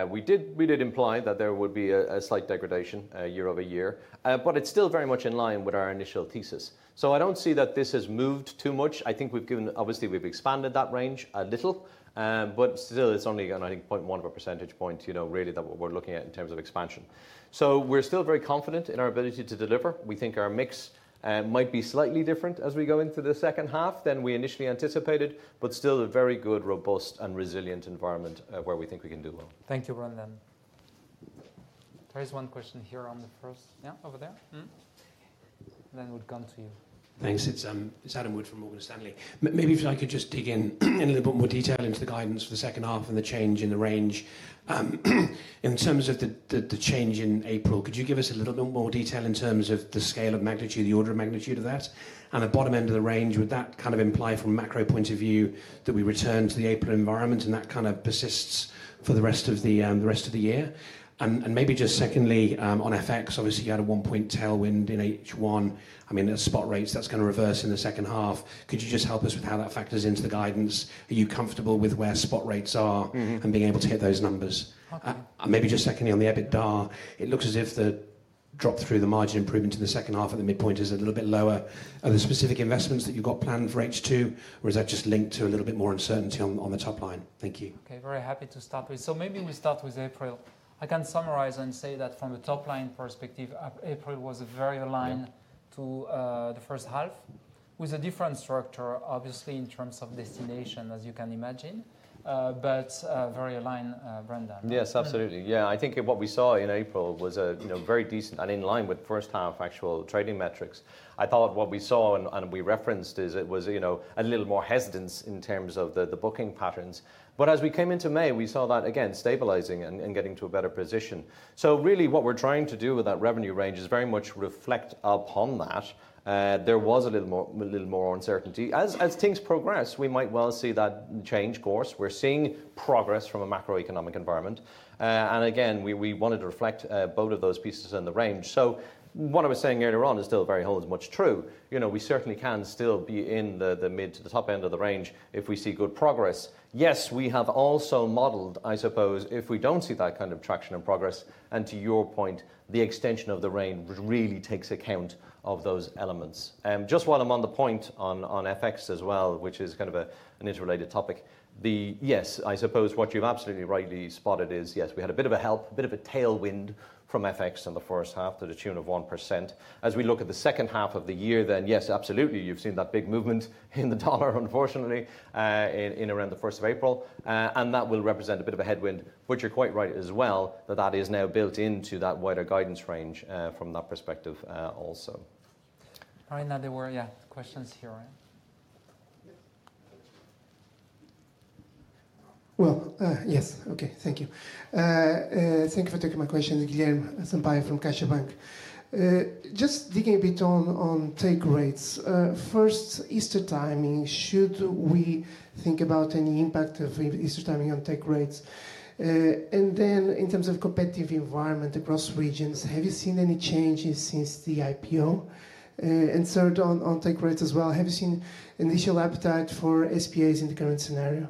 we did imply that there would be a slight degradation year-over-year, but it's still very much in line with our initial thesis. I do not see that this has moved too much. I think we've given, obviously we've expanded that range a little, but still it's only gone, I think, 0.1 of a percentage point, you know, really that we're looking at in terms of expansion. We're still very confident in our ability to deliver. We think our mix might be slightly different as we go into the second half than we initially anticipated, but still a very good, robust, and resilient environment where we think we can do well. Thank you, Brendan. There is one question here on the first, yeah, over there. Then we'll come to you. Thanks. It's Adam Wood from Morgan Stanley. Maybe if I could just dig in a little bit more detail into the guidance for the second half and the change in the range in terms of the change in April, could you give us a little bit more detail in terms of the scale of magnitude, the order of magnitude of that? At the bottom end of the range, would that kind of imply from a macro point of view that we return to the April environment and that kind of persists for the rest of the year? Maybe just secondly, on FX, obviously you had a one-point tailwind in H1. I mean, there are spot rates that are going to reverse in the second half. Could you just help us with how that factors into the guidance? Are you comfortable with where spot rates are and being able to hit those numbers? Maybe just secondly, on the EBITDA, it looks as if the drop through the margin improvement to the second half at the midpoint is a little bit lower. Are there specific investments that you've got planned for H2, or is that just linked to a little bit more uncertainty on the top line? Thank you. Okay, very happy to start with. Maybe we start with April. I can summarize and say that from the top line perspective, April was very aligned to the first half with a different structure, obviously in terms of destination, as you can imagine, but very aligned, Brendan. Yes, absolutely. I think what we saw in April was a very decent and in line with first-half actual trading metrics. I thought what we saw and we referenced is it was, you know, a little more hesitance in terms of the booking patterns. As we came into May, we saw that again stabilizing and getting to a better position. Really what we are trying to do with that revenue range is very much reflect upon that. There was a little more uncertainty. As things progress, we might well see that change course. We are seeing progress from a macroeconomic environment. Again, we wanted to reflect both of those pieces in the range. What I was saying earlier on is still very much true. You know, we certainly can still be in the mid to the top end of the range if we see good progress. Yes, we have also modeled, I suppose, if we do not see that kind of traction and progress, and to your point, the extension of the range really takes account of those elements. Just while I am on the point on FX as well, which is kind of an interrelated topic, yes, I suppose what you have absolutely rightly spotted is yes, we had a bit of a help, a bit of a tailwind from FX in the first half to the tune of 1%. As we look at the second half of the year, then yes, absolutely, you have seen that big movement in the dollar, unfortunately, in around the first of April. That will represent a bit of a headwind, which you are quite right as well, that that is now built into that wider guidance range from that perspective also. All right, now there were, yeah, questions here, right? Yes, okay, thank you. Thank you for taking my question, Guilherme Sampaio from CaixaBank. Just digging a bit on take rates. First, Easter timing, should we think about any impact of Easter timing on take rates? In terms of competitive environment across regions, have you seen any changes since the IPO? Third, on take rates as well, have you seen initial appetite for SPAs in the current scenario?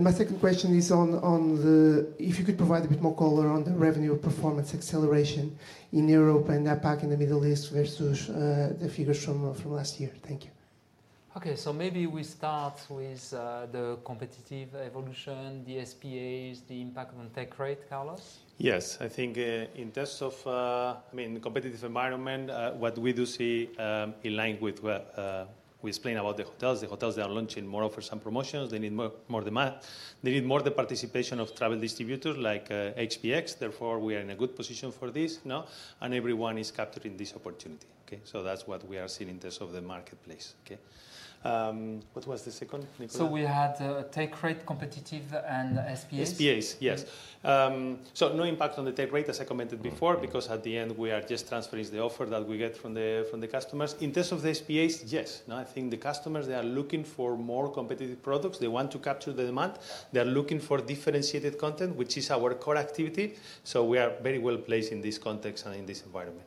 My second question is on the, if you could provide a bit more color on the revenue performance acceleration in Europe and NAPAC in the Middle East versus the figures from last year. Thank you. Okay, maybe we start with the competitive evolution, the SPAs, the impact on take rate, Carlos? Yes, I think in terms of, I mean, the competitive environment, what we do see in line with what we explained about the hotels, the hotels that are launching more offer some promotions, they need more demand, they need more of the participation of travel distributors like HBX. Therefore, we are in a good position for this, you know, and everyone is capturing this opportunity. That is what we are seeing in terms of the marketplace. What was the second? We had take rate, competitive, and SPAs. SPAs, yes. No impact on the take rate, as I commented before, because at the end we are just transferring the offer that we get from the customers. In terms of the SPAs, yes, I think the customers, they are looking for more competitive products. They want to capture the demand. They are looking for differentiated content, which is our core activity. We are very well placed in this context and in this environment.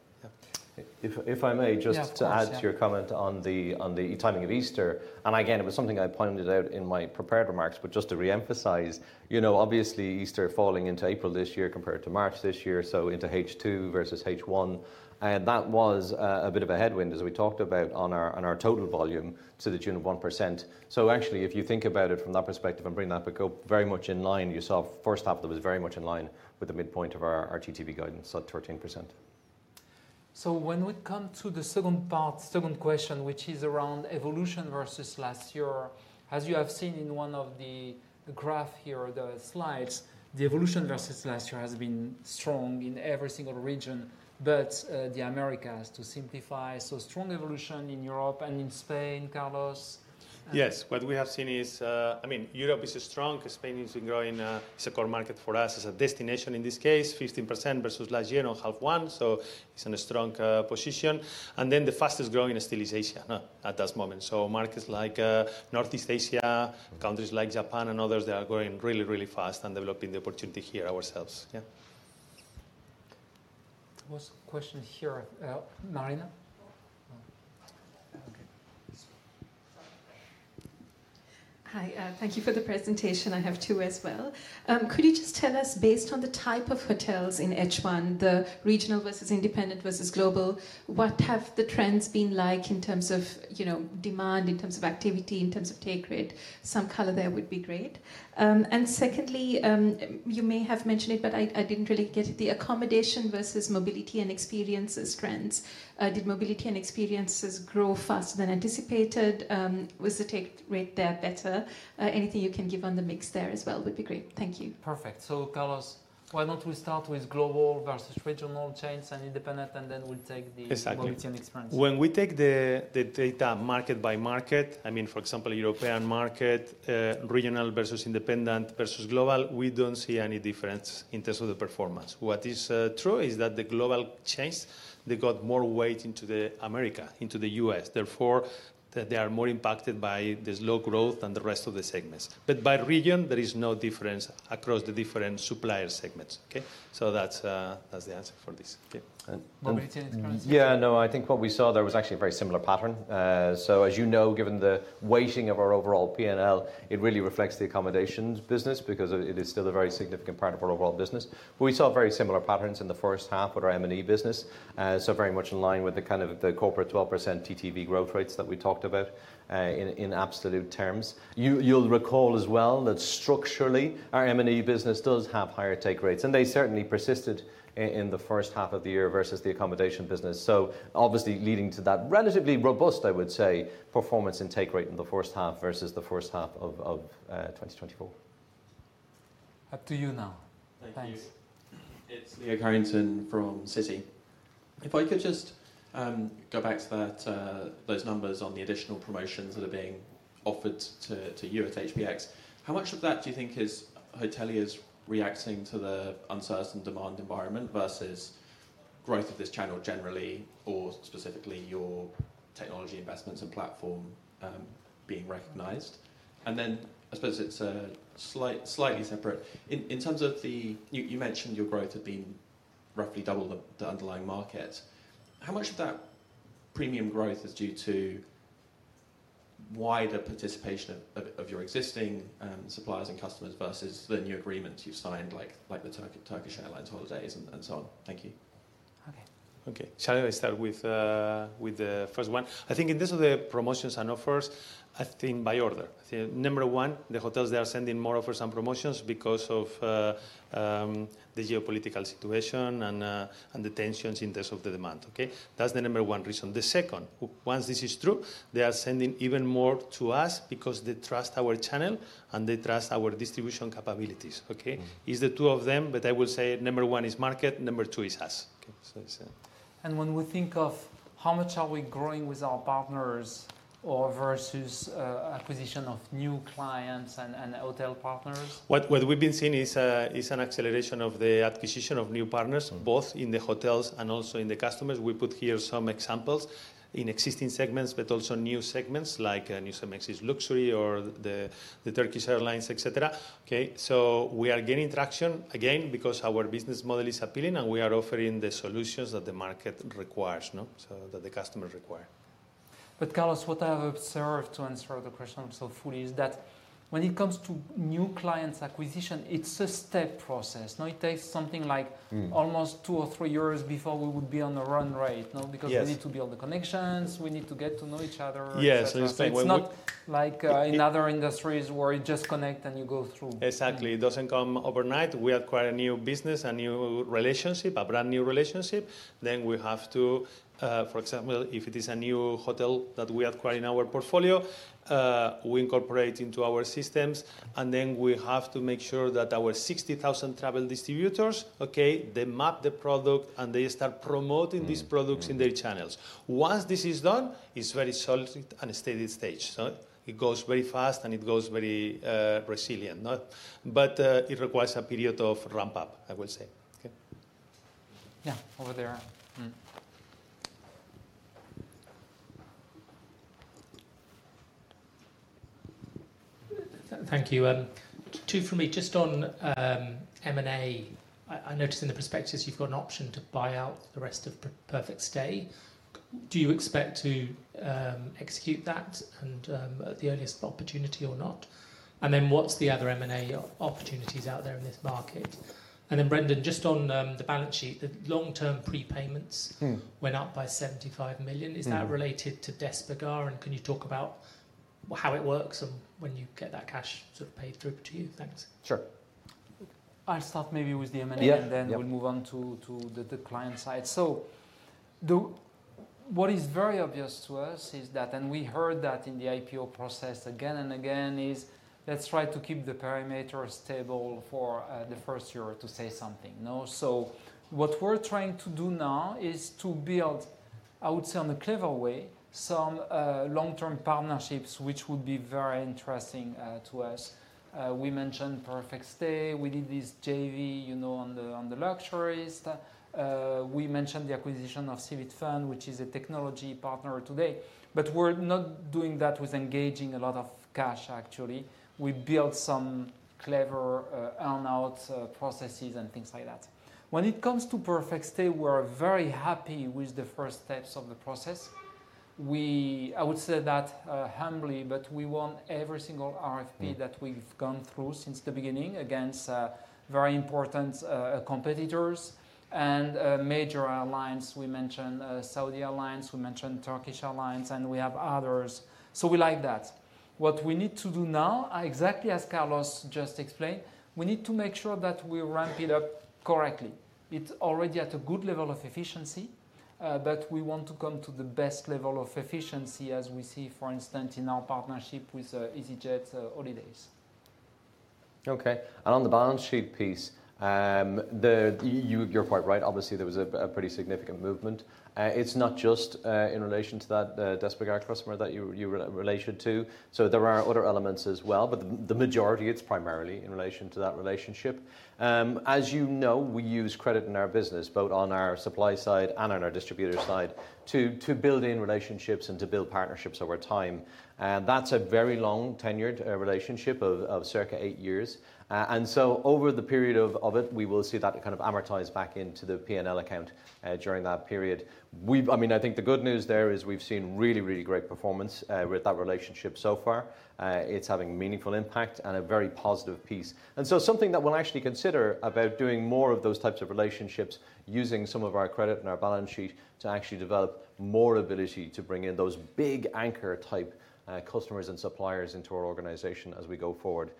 Yeah, if I may, just to add to your comment on the timing of Easter, and again, it was something I pointed out in my prepared remarks, but just to re-emphasize, you know, obviously Easter falling into April this year compared to March last year, so into H2 versus H1, and that was a bit of a headwind as we talked about on our total volume to the tune of 1%. Actually, if you think about it from that perspective and bring that very much in line, you saw first half that was very much in line with the midpoint of our TTV guidance at 13%. When we come to the second part, second question, which is around evolution versus last year, as you have seen in one of the graphs here, the slides, the evolution versus last year has been strong in every single region but the Americas, to simplify, so strong evolution in Europe and in Spain. Carlos? Yes, what we have seen is, I mean, Europe is strong, Spain is growing, it's a core market for us as a destination in this case, 15% versus last year on half one, so it's in a strong position. The fastest growing still is Asia at this moment. Markets like Northeast Asia, countries like Japan and others, they are growing really, really fast and developing the opportunity here ourselves. Yeah. There was a question here, Marina. Hi, thank you for the presentation. I have two as well. Could you just tell us, based on the type of hotels in H1, the regional versus independent versus global, what have the trends been like in terms of, you know, demand, in terms of activity, in terms of take rate? Some color there would be great. Secondly, you may have mentioned it, but I did not really get it, the accommodation versus mobility and experiences trends. Did mobility and experiences grow faster than anticipated? Was the take rate there better? Anything you can give on the mix there as well would be great. Thank you. Perfect. Carlos, why don't we start with global versus regional change and independent, and then we'll take the mobility and experience? When we take the data market by market, I mean, for example, European market, regional versus independent versus global, we don't see any difference in terms of the performance. What is true is that the global chance, they got more weight into America, into the U.S. Therefore, they are more impacted by the slow growth than the rest of the segments. By region, there is no difference across the different supplier segments. Okay, so that's the answer for this. Yeah, I think what we saw there was actually a very similar pattern. As you know, given the weighting of our overall P&L, it really reflects the accommodations business because it is still a very significant part of our overall business. We saw very similar patterns in the first half with our M&E business, so very much in line with the kind of the corporate 12% TTV growth rates that we talked about in absolute terms. You'll recall as well that structurally our M&E business does have higher take rates, and they certainly persisted in the first half of the year versus the accommodation business. Obviously leading to that relatively robust, I would say, performance in take rate in the first half versus the first half of 2024. Up to you now. Thank you. It's Leo Carrington from Citi. If I could just go back to those numbers on the additional promotions that are being offered to you at HBX, how much of that do you think is hoteliers reacting to the uncertain demand environment versus growth of this channel generally, or specifically your technology investments and platform being recognized? I suppose it's a slightly separate in terms of the, you mentioned your growth had been roughly double the underlying market. How much of that premium growth is due to wider participation of your existing suppliers and customers versus the new agreements you've signed, like the Turkish Airlines Holidays and so on? Thank you. Okay, okay, shall I start with the first one? I think in terms of the promotions and offers, I think by order, I think number one, the hotels, they are sending more offers and promotions because of the geopolitical situation and the tensions in terms of the demand. That's the number one reason. The second, once this is true, they are sending even more to us because they trust our channel and they trust our distribution capabilities. Okay, it's the two of them, but I will say number one is market, number two is us. Okay, so it's a... And when we think of how much are we growing with our partners or versus acquisition of new clients and hotel partners? What we've been seeing is an acceleration of the acquisition of new partners, both in the hotels and also in the customers. We put here some examples in existing segments, but also new segments like New Some Exceeds Luxury or the Turkish Airlines, etc. Okay, so we are gaining traction again because our business model is appealing and we are offering the solutions that the market requires, so that the customers require. But Carlos, what I have observed to answer the question so fully is that when it comes to new clients acquisition, it's a step process. Now it takes something like almost two or three years before we would be on a run rate, because we need to build the connections, we need to get to know each other. Yes. It's not like in other industries where you just connect and you go through. Exactly, it doesn't come overnight. We acquire a new business, a new relationship, a brand new relationship. Then we have to, for example, if it is a new hotel that we acquire in our portfolio, we incorporate into our systems, and then we have to make sure that our 60,000 travel distributors, okay, they map the product and they start promoting these products in their channels. Once this is done, it's very solid and a steady stage. It goes very fast and it goes very resilient, but it requires a period of ramp up, I will say. Okay. Yeah, over there. Thank you. Two from me. Just on M&A, I noticed in the prospectus you've got an option to buy out the rest of PerfectStay. Do you expect to execute that at the earliest opportunity or not? And then what's the other M&A opportunities out there in this market? And then Brendan, just on the balance sheet, the long-term prepayments went up by 75 million. Is that related to Despegar? And can you talk about how it works and when you get that cash sort of paid through to you? Thanks. Sure. I'll start maybe with the M&A and then we'll move on to the client side. What is very obvious to us is that, and we heard that in the IPO process again and again, is let's try to keep the perimeter stable for the first year to say something. What we're trying to do now is to build, I would say in a clever way, some long-term partnerships which would be very interesting to us. We mentioned PerfectStay, we did this JV on the Luxuries. We mentioned the acquisition of Civitfun, which is a technology partner today. We're not doing that with engaging a lot of cash, actually. We built some clever earn-out processes and things like that. When it comes to PerfectStay, we're very happy with the first steps of the process. I would say that humbly, but we won every single RFP that we've gone through since the beginning against very important competitors and major airlines. We mentioned Saudi Airlines, we mentioned Turkish Airlines, and we have others. We like that. What we need to do now, exactly as Carlos just explained, we need to make sure that we ramp it up correctly. It's already at a good level of efficiency, but we want to come to the best level of efficiency as we see, for instance, in our partnership with EasyJet Holidays. Okay, and on the balance sheet piece, you're quite right. Obviously, there was a pretty significant movement. It's not just in relation to that Despegar customer that you related to. There are other elements as well, but the majority, it's primarily in relation to that relationship. As you know, we use credit in our business, both on our supply side and on our distributor side, to build in relationships and to build partnerships over time. That's a very long tenured relationship of circa eight years. Over the period of it, we will see that kind of amortize back into the P&L account during that period. I mean, I think the good news there is we've seen really, really great performance with that relationship so far. It's having meaningful impact and a very positive piece. Something that we'll actually consider about doing more of those types of relationships, using some of our credit and our balance sheet to actually develop more ability to bring in those big anchor type customers and suppliers into our organization as we go forward.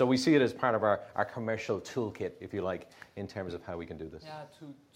We see it as part of our commercial toolkit, if you like, in terms of how we can do this. Yeah,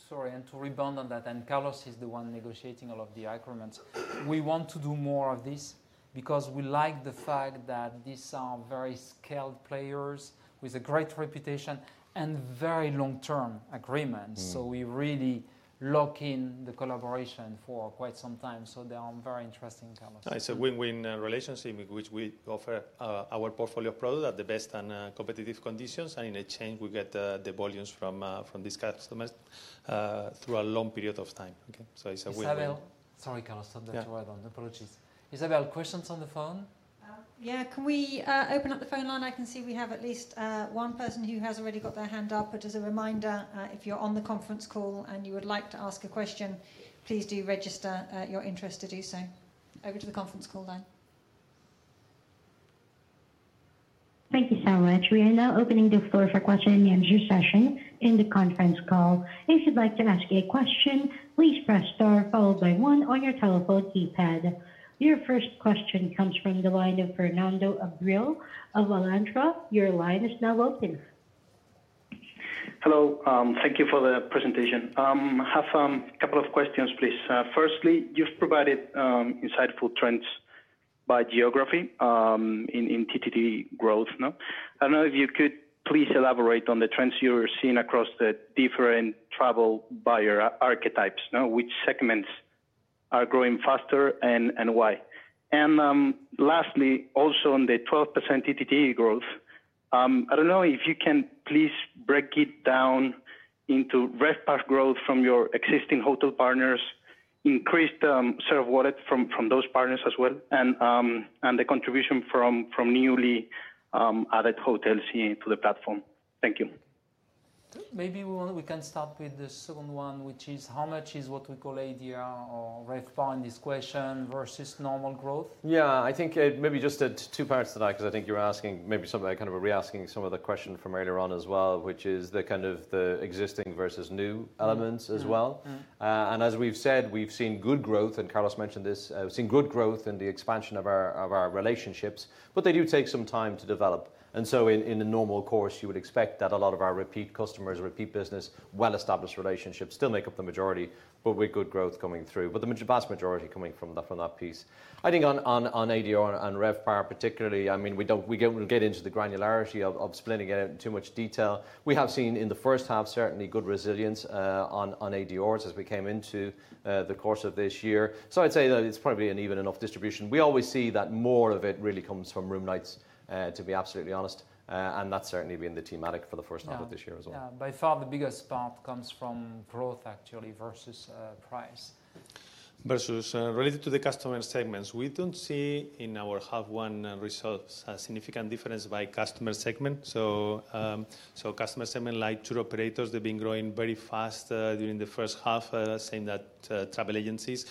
sorry, and to rebound on that, and Carlos is the one negotiating all of the agreements. We want to do more of this because we like the fact that these are very scaled players with a great reputation and very long-term agreements. We really lock in the collaboration for quite some time. They are very interesting, Carlos. It's a win-win relationship in which we offer our portfolio of products at the best and competitive conditions, and in exchange, we get the volumes from these customers through a long period of time. Okay, it's a win-win. Sorry, Carlos, that's what I—don't apologize. Isabel, questions on the phone? Yeah, can we open up the phone line? I can see we have at least one person who has already got their hand up, but as a reminder, if you're on the conference call and you would like to ask a question, please do register your interest to do so. Over to the conference call then. Thank you so much. We are now opening the floor for question and answer session in the conference call. If you'd like to ask a question, please press star followed by one on your telephone keypad. Your first question comes from the line of Fernando Abril of Alantra. Your line is now open. Hello, thank you for the presentation. I have a couple of questions, please. Firstly, you've provided insightful trends by geography in TTV growth. I don't know if you could please elaborate on the trends you're seeing across the different travel buyer archetypes, which segments are growing faster and why? Lastly, also on the 12% TTV growth, I don't know if you can please break it down into RevPAR growth from your existing hotel partners, increased share of wallet from those partners as well, and the contribution from newly added hotels to the platform. Thank you. Maybe we can start with the second one, which is how much is what we call ADR or ref path in this question versus normal growth? Yeah, I think maybe just two parts to that, because I think you're asking maybe some of that kind of a re-asking some of the question from earlier on as well, which is the kind of the existing versus new elements as well. As we've said, we've seen good growth, and Carlos mentioned this, we've seen good growth in the expansion of our relationships, but they do take some time to develop. In a normal course, you would expect that a lot of our repeat customers, repeat business, well-established relationships still make up the majority, with good growth coming through, but the vast majority coming from that piece. I think on ADR and ref power particularly, I mean, we do not get into the granularity of splitting it out into too much detail. We have seen in the first half certainly good resilience on ADRs as we came into the course of this year. I would say that it is probably an even enough distribution. We always see that more of it really comes from room nights, to be absolutely honest, and that has certainly been the thematic for the first half of this year as well. Yeah, by far the biggest part comes from growth actually versus price. Versus related to the customer segments, we do not see in our half one results a significant difference by customer segment. Customer segment like tour operators, they've been growing very fast during the first half, saying that travel agencies,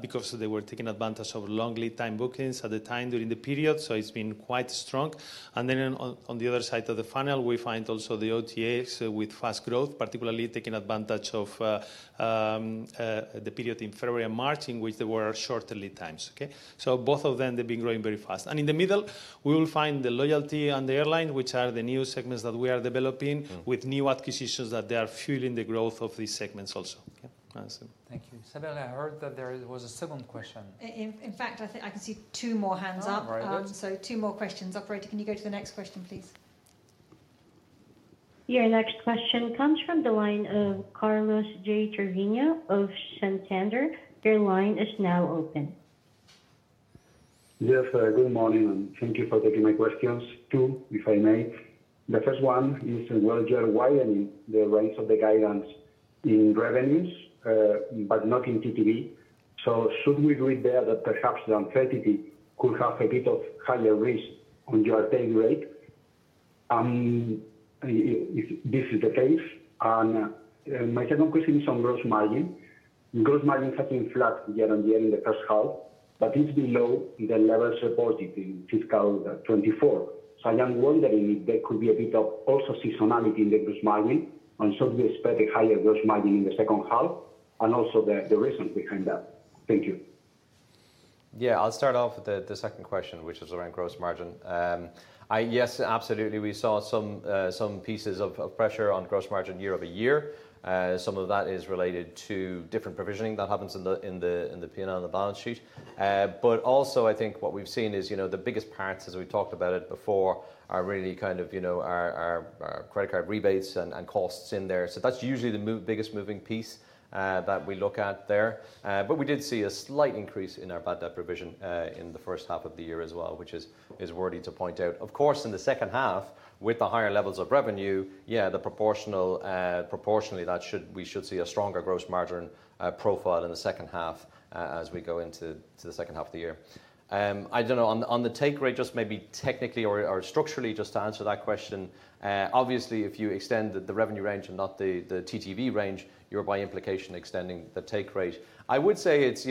because they were taking advantage of long lead time bookings at the time during the period, so it's been quite strong. On the other side of the funnel, we find also the OTAs with fast growth, particularly taking advantage of the period in February and March in which there were shorter lead times. Okay, both of them, they've been growing very fast. In the middle, we will find the loyalty and the airline, which are the new segments that we are developing with new acquisitions that they are fueling the growth of these segments also. Thank you. Isabel, I heard that there was a second question. In fact, I think I can see two more hands up. Two more questions. Operator, can you go to the next question, please? Your next question comes from the line of Carlos J. Treviño of Santander. Your line is now open. Yes, good morning. Thank you for taking my questions. Two, if I may. The first one is, you're widening the range of the guidance in revenues, but not in TTV. Should we read there that perhaps the unfair TTV could have a bit of higher risk on your pay grade? If this is the case, and my second question is on gross margin. Gross margin has been flat year on year in the first half, but it's below the levels reported in fiscal 2024. I am wondering if there could be a bit of also seasonality in the gross margin, and should we expect a higher gross margin in the second half, and also the reasons behind that? Thank you. Yeah, I'll start off with the second question, which is around gross margin. Yes, absolutely. We saw some pieces of pressure on gross margin year-over-year. Some of that is related to different provisioning that happens in the P&L and the balance sheet. Also, I think what we've seen is the biggest parts, as we talked about it before, are really kind of our credit card rebates and costs in there. That's usually the biggest moving piece that we look at there. We did see a slight increase in our bad debt provision in the first half of the year as well, which is worthy to point out. Of course, in the second half, with the higher levels of revenue, proportionally, we should see a stronger gross margin profile in the second half as we go into the second half of the year. I don't know, on the take rate, just maybe technically or structurally, just to answer that question, obviously, if you extend the revenue range and not the TTV range, you're by implication extending the take rate. I would say it's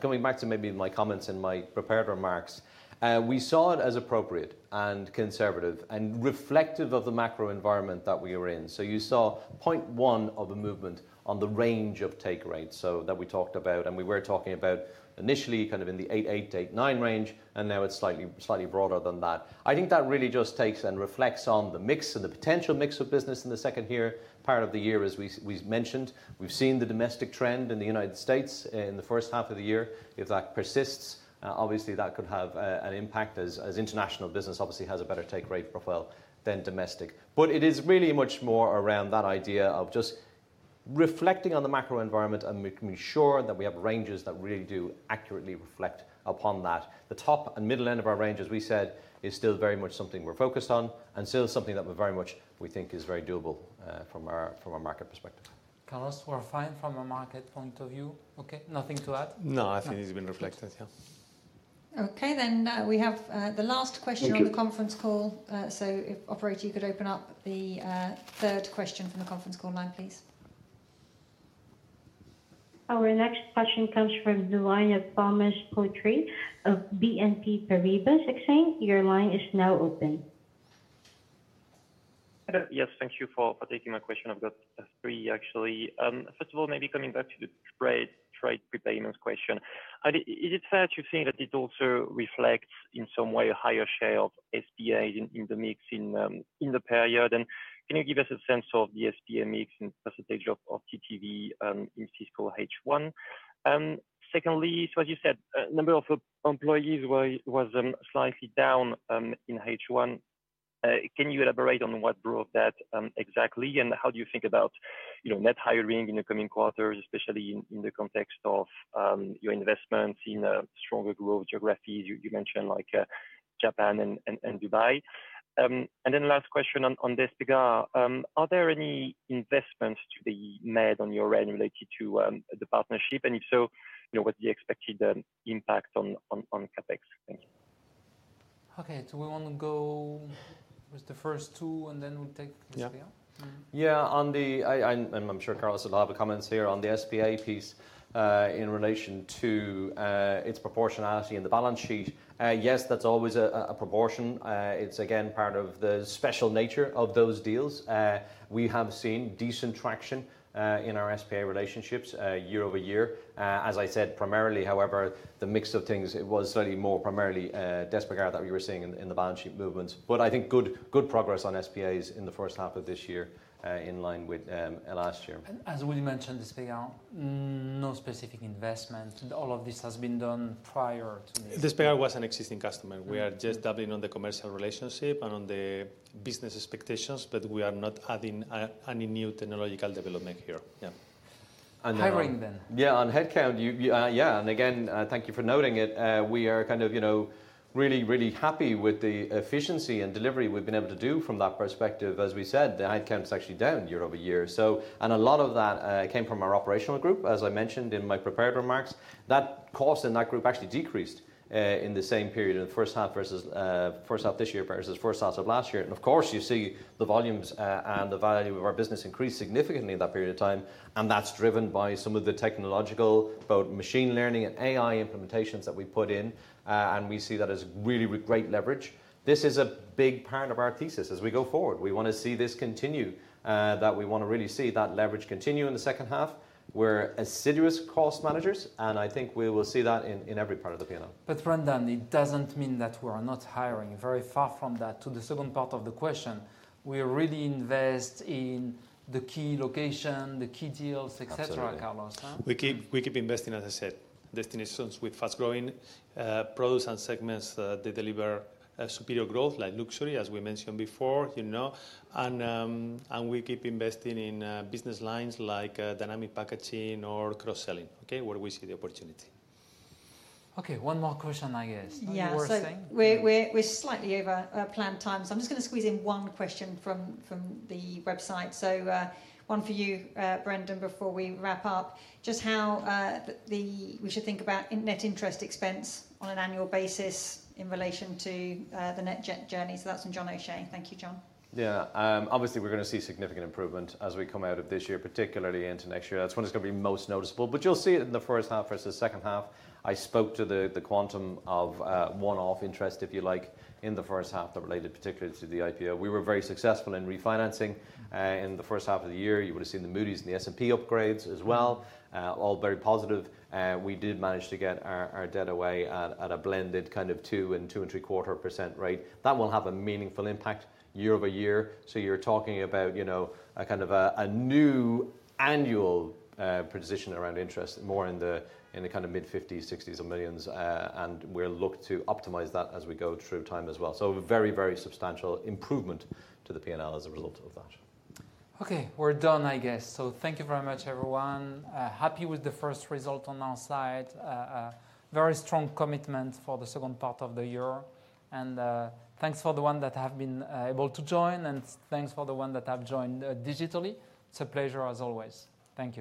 coming back to maybe my comments and my prepared remarks. We saw it as appropriate and conservative and reflective of the macro environment that we were in. You saw 0.1 of a movement on the range of take rates that we talked about, and we were talking about initially kind of in the 8.8-8.9% range, and now it's slightly broader than that. I think that really just takes and reflects on the mix and the potential mix of business in the second part of the year, as we've mentioned. We've seen the domestic trend in the United States in the first half of the year. If that persists, obviously, that could have an impact as international business obviously has a better take rate profile than domestic. It is really much more around that idea of just reflecting on the macro environment and making sure that we have ranges that really do accurately reflect upon that. The top and middle end of our range, as we said, is still very much something we're focused on and still something that we very much think is very doable from our market perspective. Carlos, we're fine from a market point of view. Okay, nothing to add? No, I think it's been reflected. Yeah. Okay, we have the last question on the conference call. If Operator, you could open up the third question from the conference call line, please. Our next question comes from the line of Thomas Poutrieux of BNP Paribas Exane. Your line is now open. Yes, thank you for taking my question. I've got three, actually. First of all, maybe coming back to the trade prepayments question. Is it fair to say that it also reflects in some way a higher share of SBAs in the mix in the period? And can you give us a sense of the SBA mix in % of TTV in fiscal H1? Secondly, as you said, the number of employees was slightly down in H1. Can you elaborate on what drove that exactly? And how do you think about net hiring in the coming quarters, especially in the context of your investments in stronger growth geographies? You mentioned Japan and Dubai. Last question on this regard, are there any investments to be made on your end related to the partnership? If so, what's the expected impact on CapEx? Thank you. Okay, so we want to go with the first two and then we'll take this here. Yeah, I'm sure Carlos will have a comment here on the SBA piece in relation to its proportionality in the balance sheet. Yes, that's always a proportion. It's, again, part of the special nature of those deals. We have seen decent traction in our SBA relationships year-over-year. As I said, primarily, however, the mix of things was slightly more primarily Despegar that we were seeing in the balance sheet movements. I think good progress on SBAs in the first half of this year in line with last year. As we mentioned, Despegar, no specific investment. All of this has been done prior to this. Despegar was an existing customer. We are just doubling on the commercial relationship and on the business expectations, but we are not adding any new technological development here. Yeah. Hiring then. Yeah, on headcount, yeah. And again, thank you for noting it. We are kind of really, really happy with the efficiency and delivery we have been able to do from that perspective. As we said, the headcount is actually down year-over-year. A lot of that came from our operational group, as I mentioned in my prepared remarks. That cost in that group actually decreased in the same period in the first half this year versus first half of last year. Of course, you see the volumes and the value of our business increase significantly in that period of time. That is driven by some of the technological, both machine learning and AI implementations that we put in. We see that as really great leverage. This is a big part of our thesis as we go forward. We want to see this continue, that we want to really see that leverage continue in the second half. We are assiduous cost managers, and I think we will see that in every part of the P&L. Brendan, it does not mean that we are not hiring. Very far from that, to the second part of the question, we really invest in the key location, the key deals, etc., Carlos. We keep investing, as I said, destinations with fast-growing products and segments that deliver superior growth, like luxury, as we mentioned before. We keep investing in business lines like dynamic packaging or cross-selling, where we see the opportunity. Okay, one more question, I guess. Yes. We are slightly over planned time. I'm just going to squeeze in one question from the website. One for you, Brendan, before we wrap up. Just how we should think about net interest expense on an annual basis in relation to the net jet journey. That's from John O'Shea. Thank you, John. Yeah, obviously, we're going to see significant improvement as we come out of this year, particularly into next year. That's when it's going to be most noticeable. You'll see it in the first half versus the second half. I spoke to the quantum of one-off interest, if you like, in the first half that related particularly to the IPO. We were very successful in refinancing in the first half of the year. You would have seen the Moody's and the S&P upgrades as well, all very positive. We did manage to get our debt away at a blended kind of 2% and 2.75% rate. That will have a meaningful impact year-over-year. You are talking about a kind of a new annual position around interest, more in the kind of mid-50s, 60s of millions. We are looking to optimize that as we go through time as well. A very, very substantial improvement to the P&L as a result of that. Okay, we are done, I guess. Thank you very much, everyone. Happy with the first result on our side. Very strong commitment for the second part of the year. Thanks for the ones that have been able to join, and thanks for the ones that have joined digitally. It is a pleasure, as always. Thank you.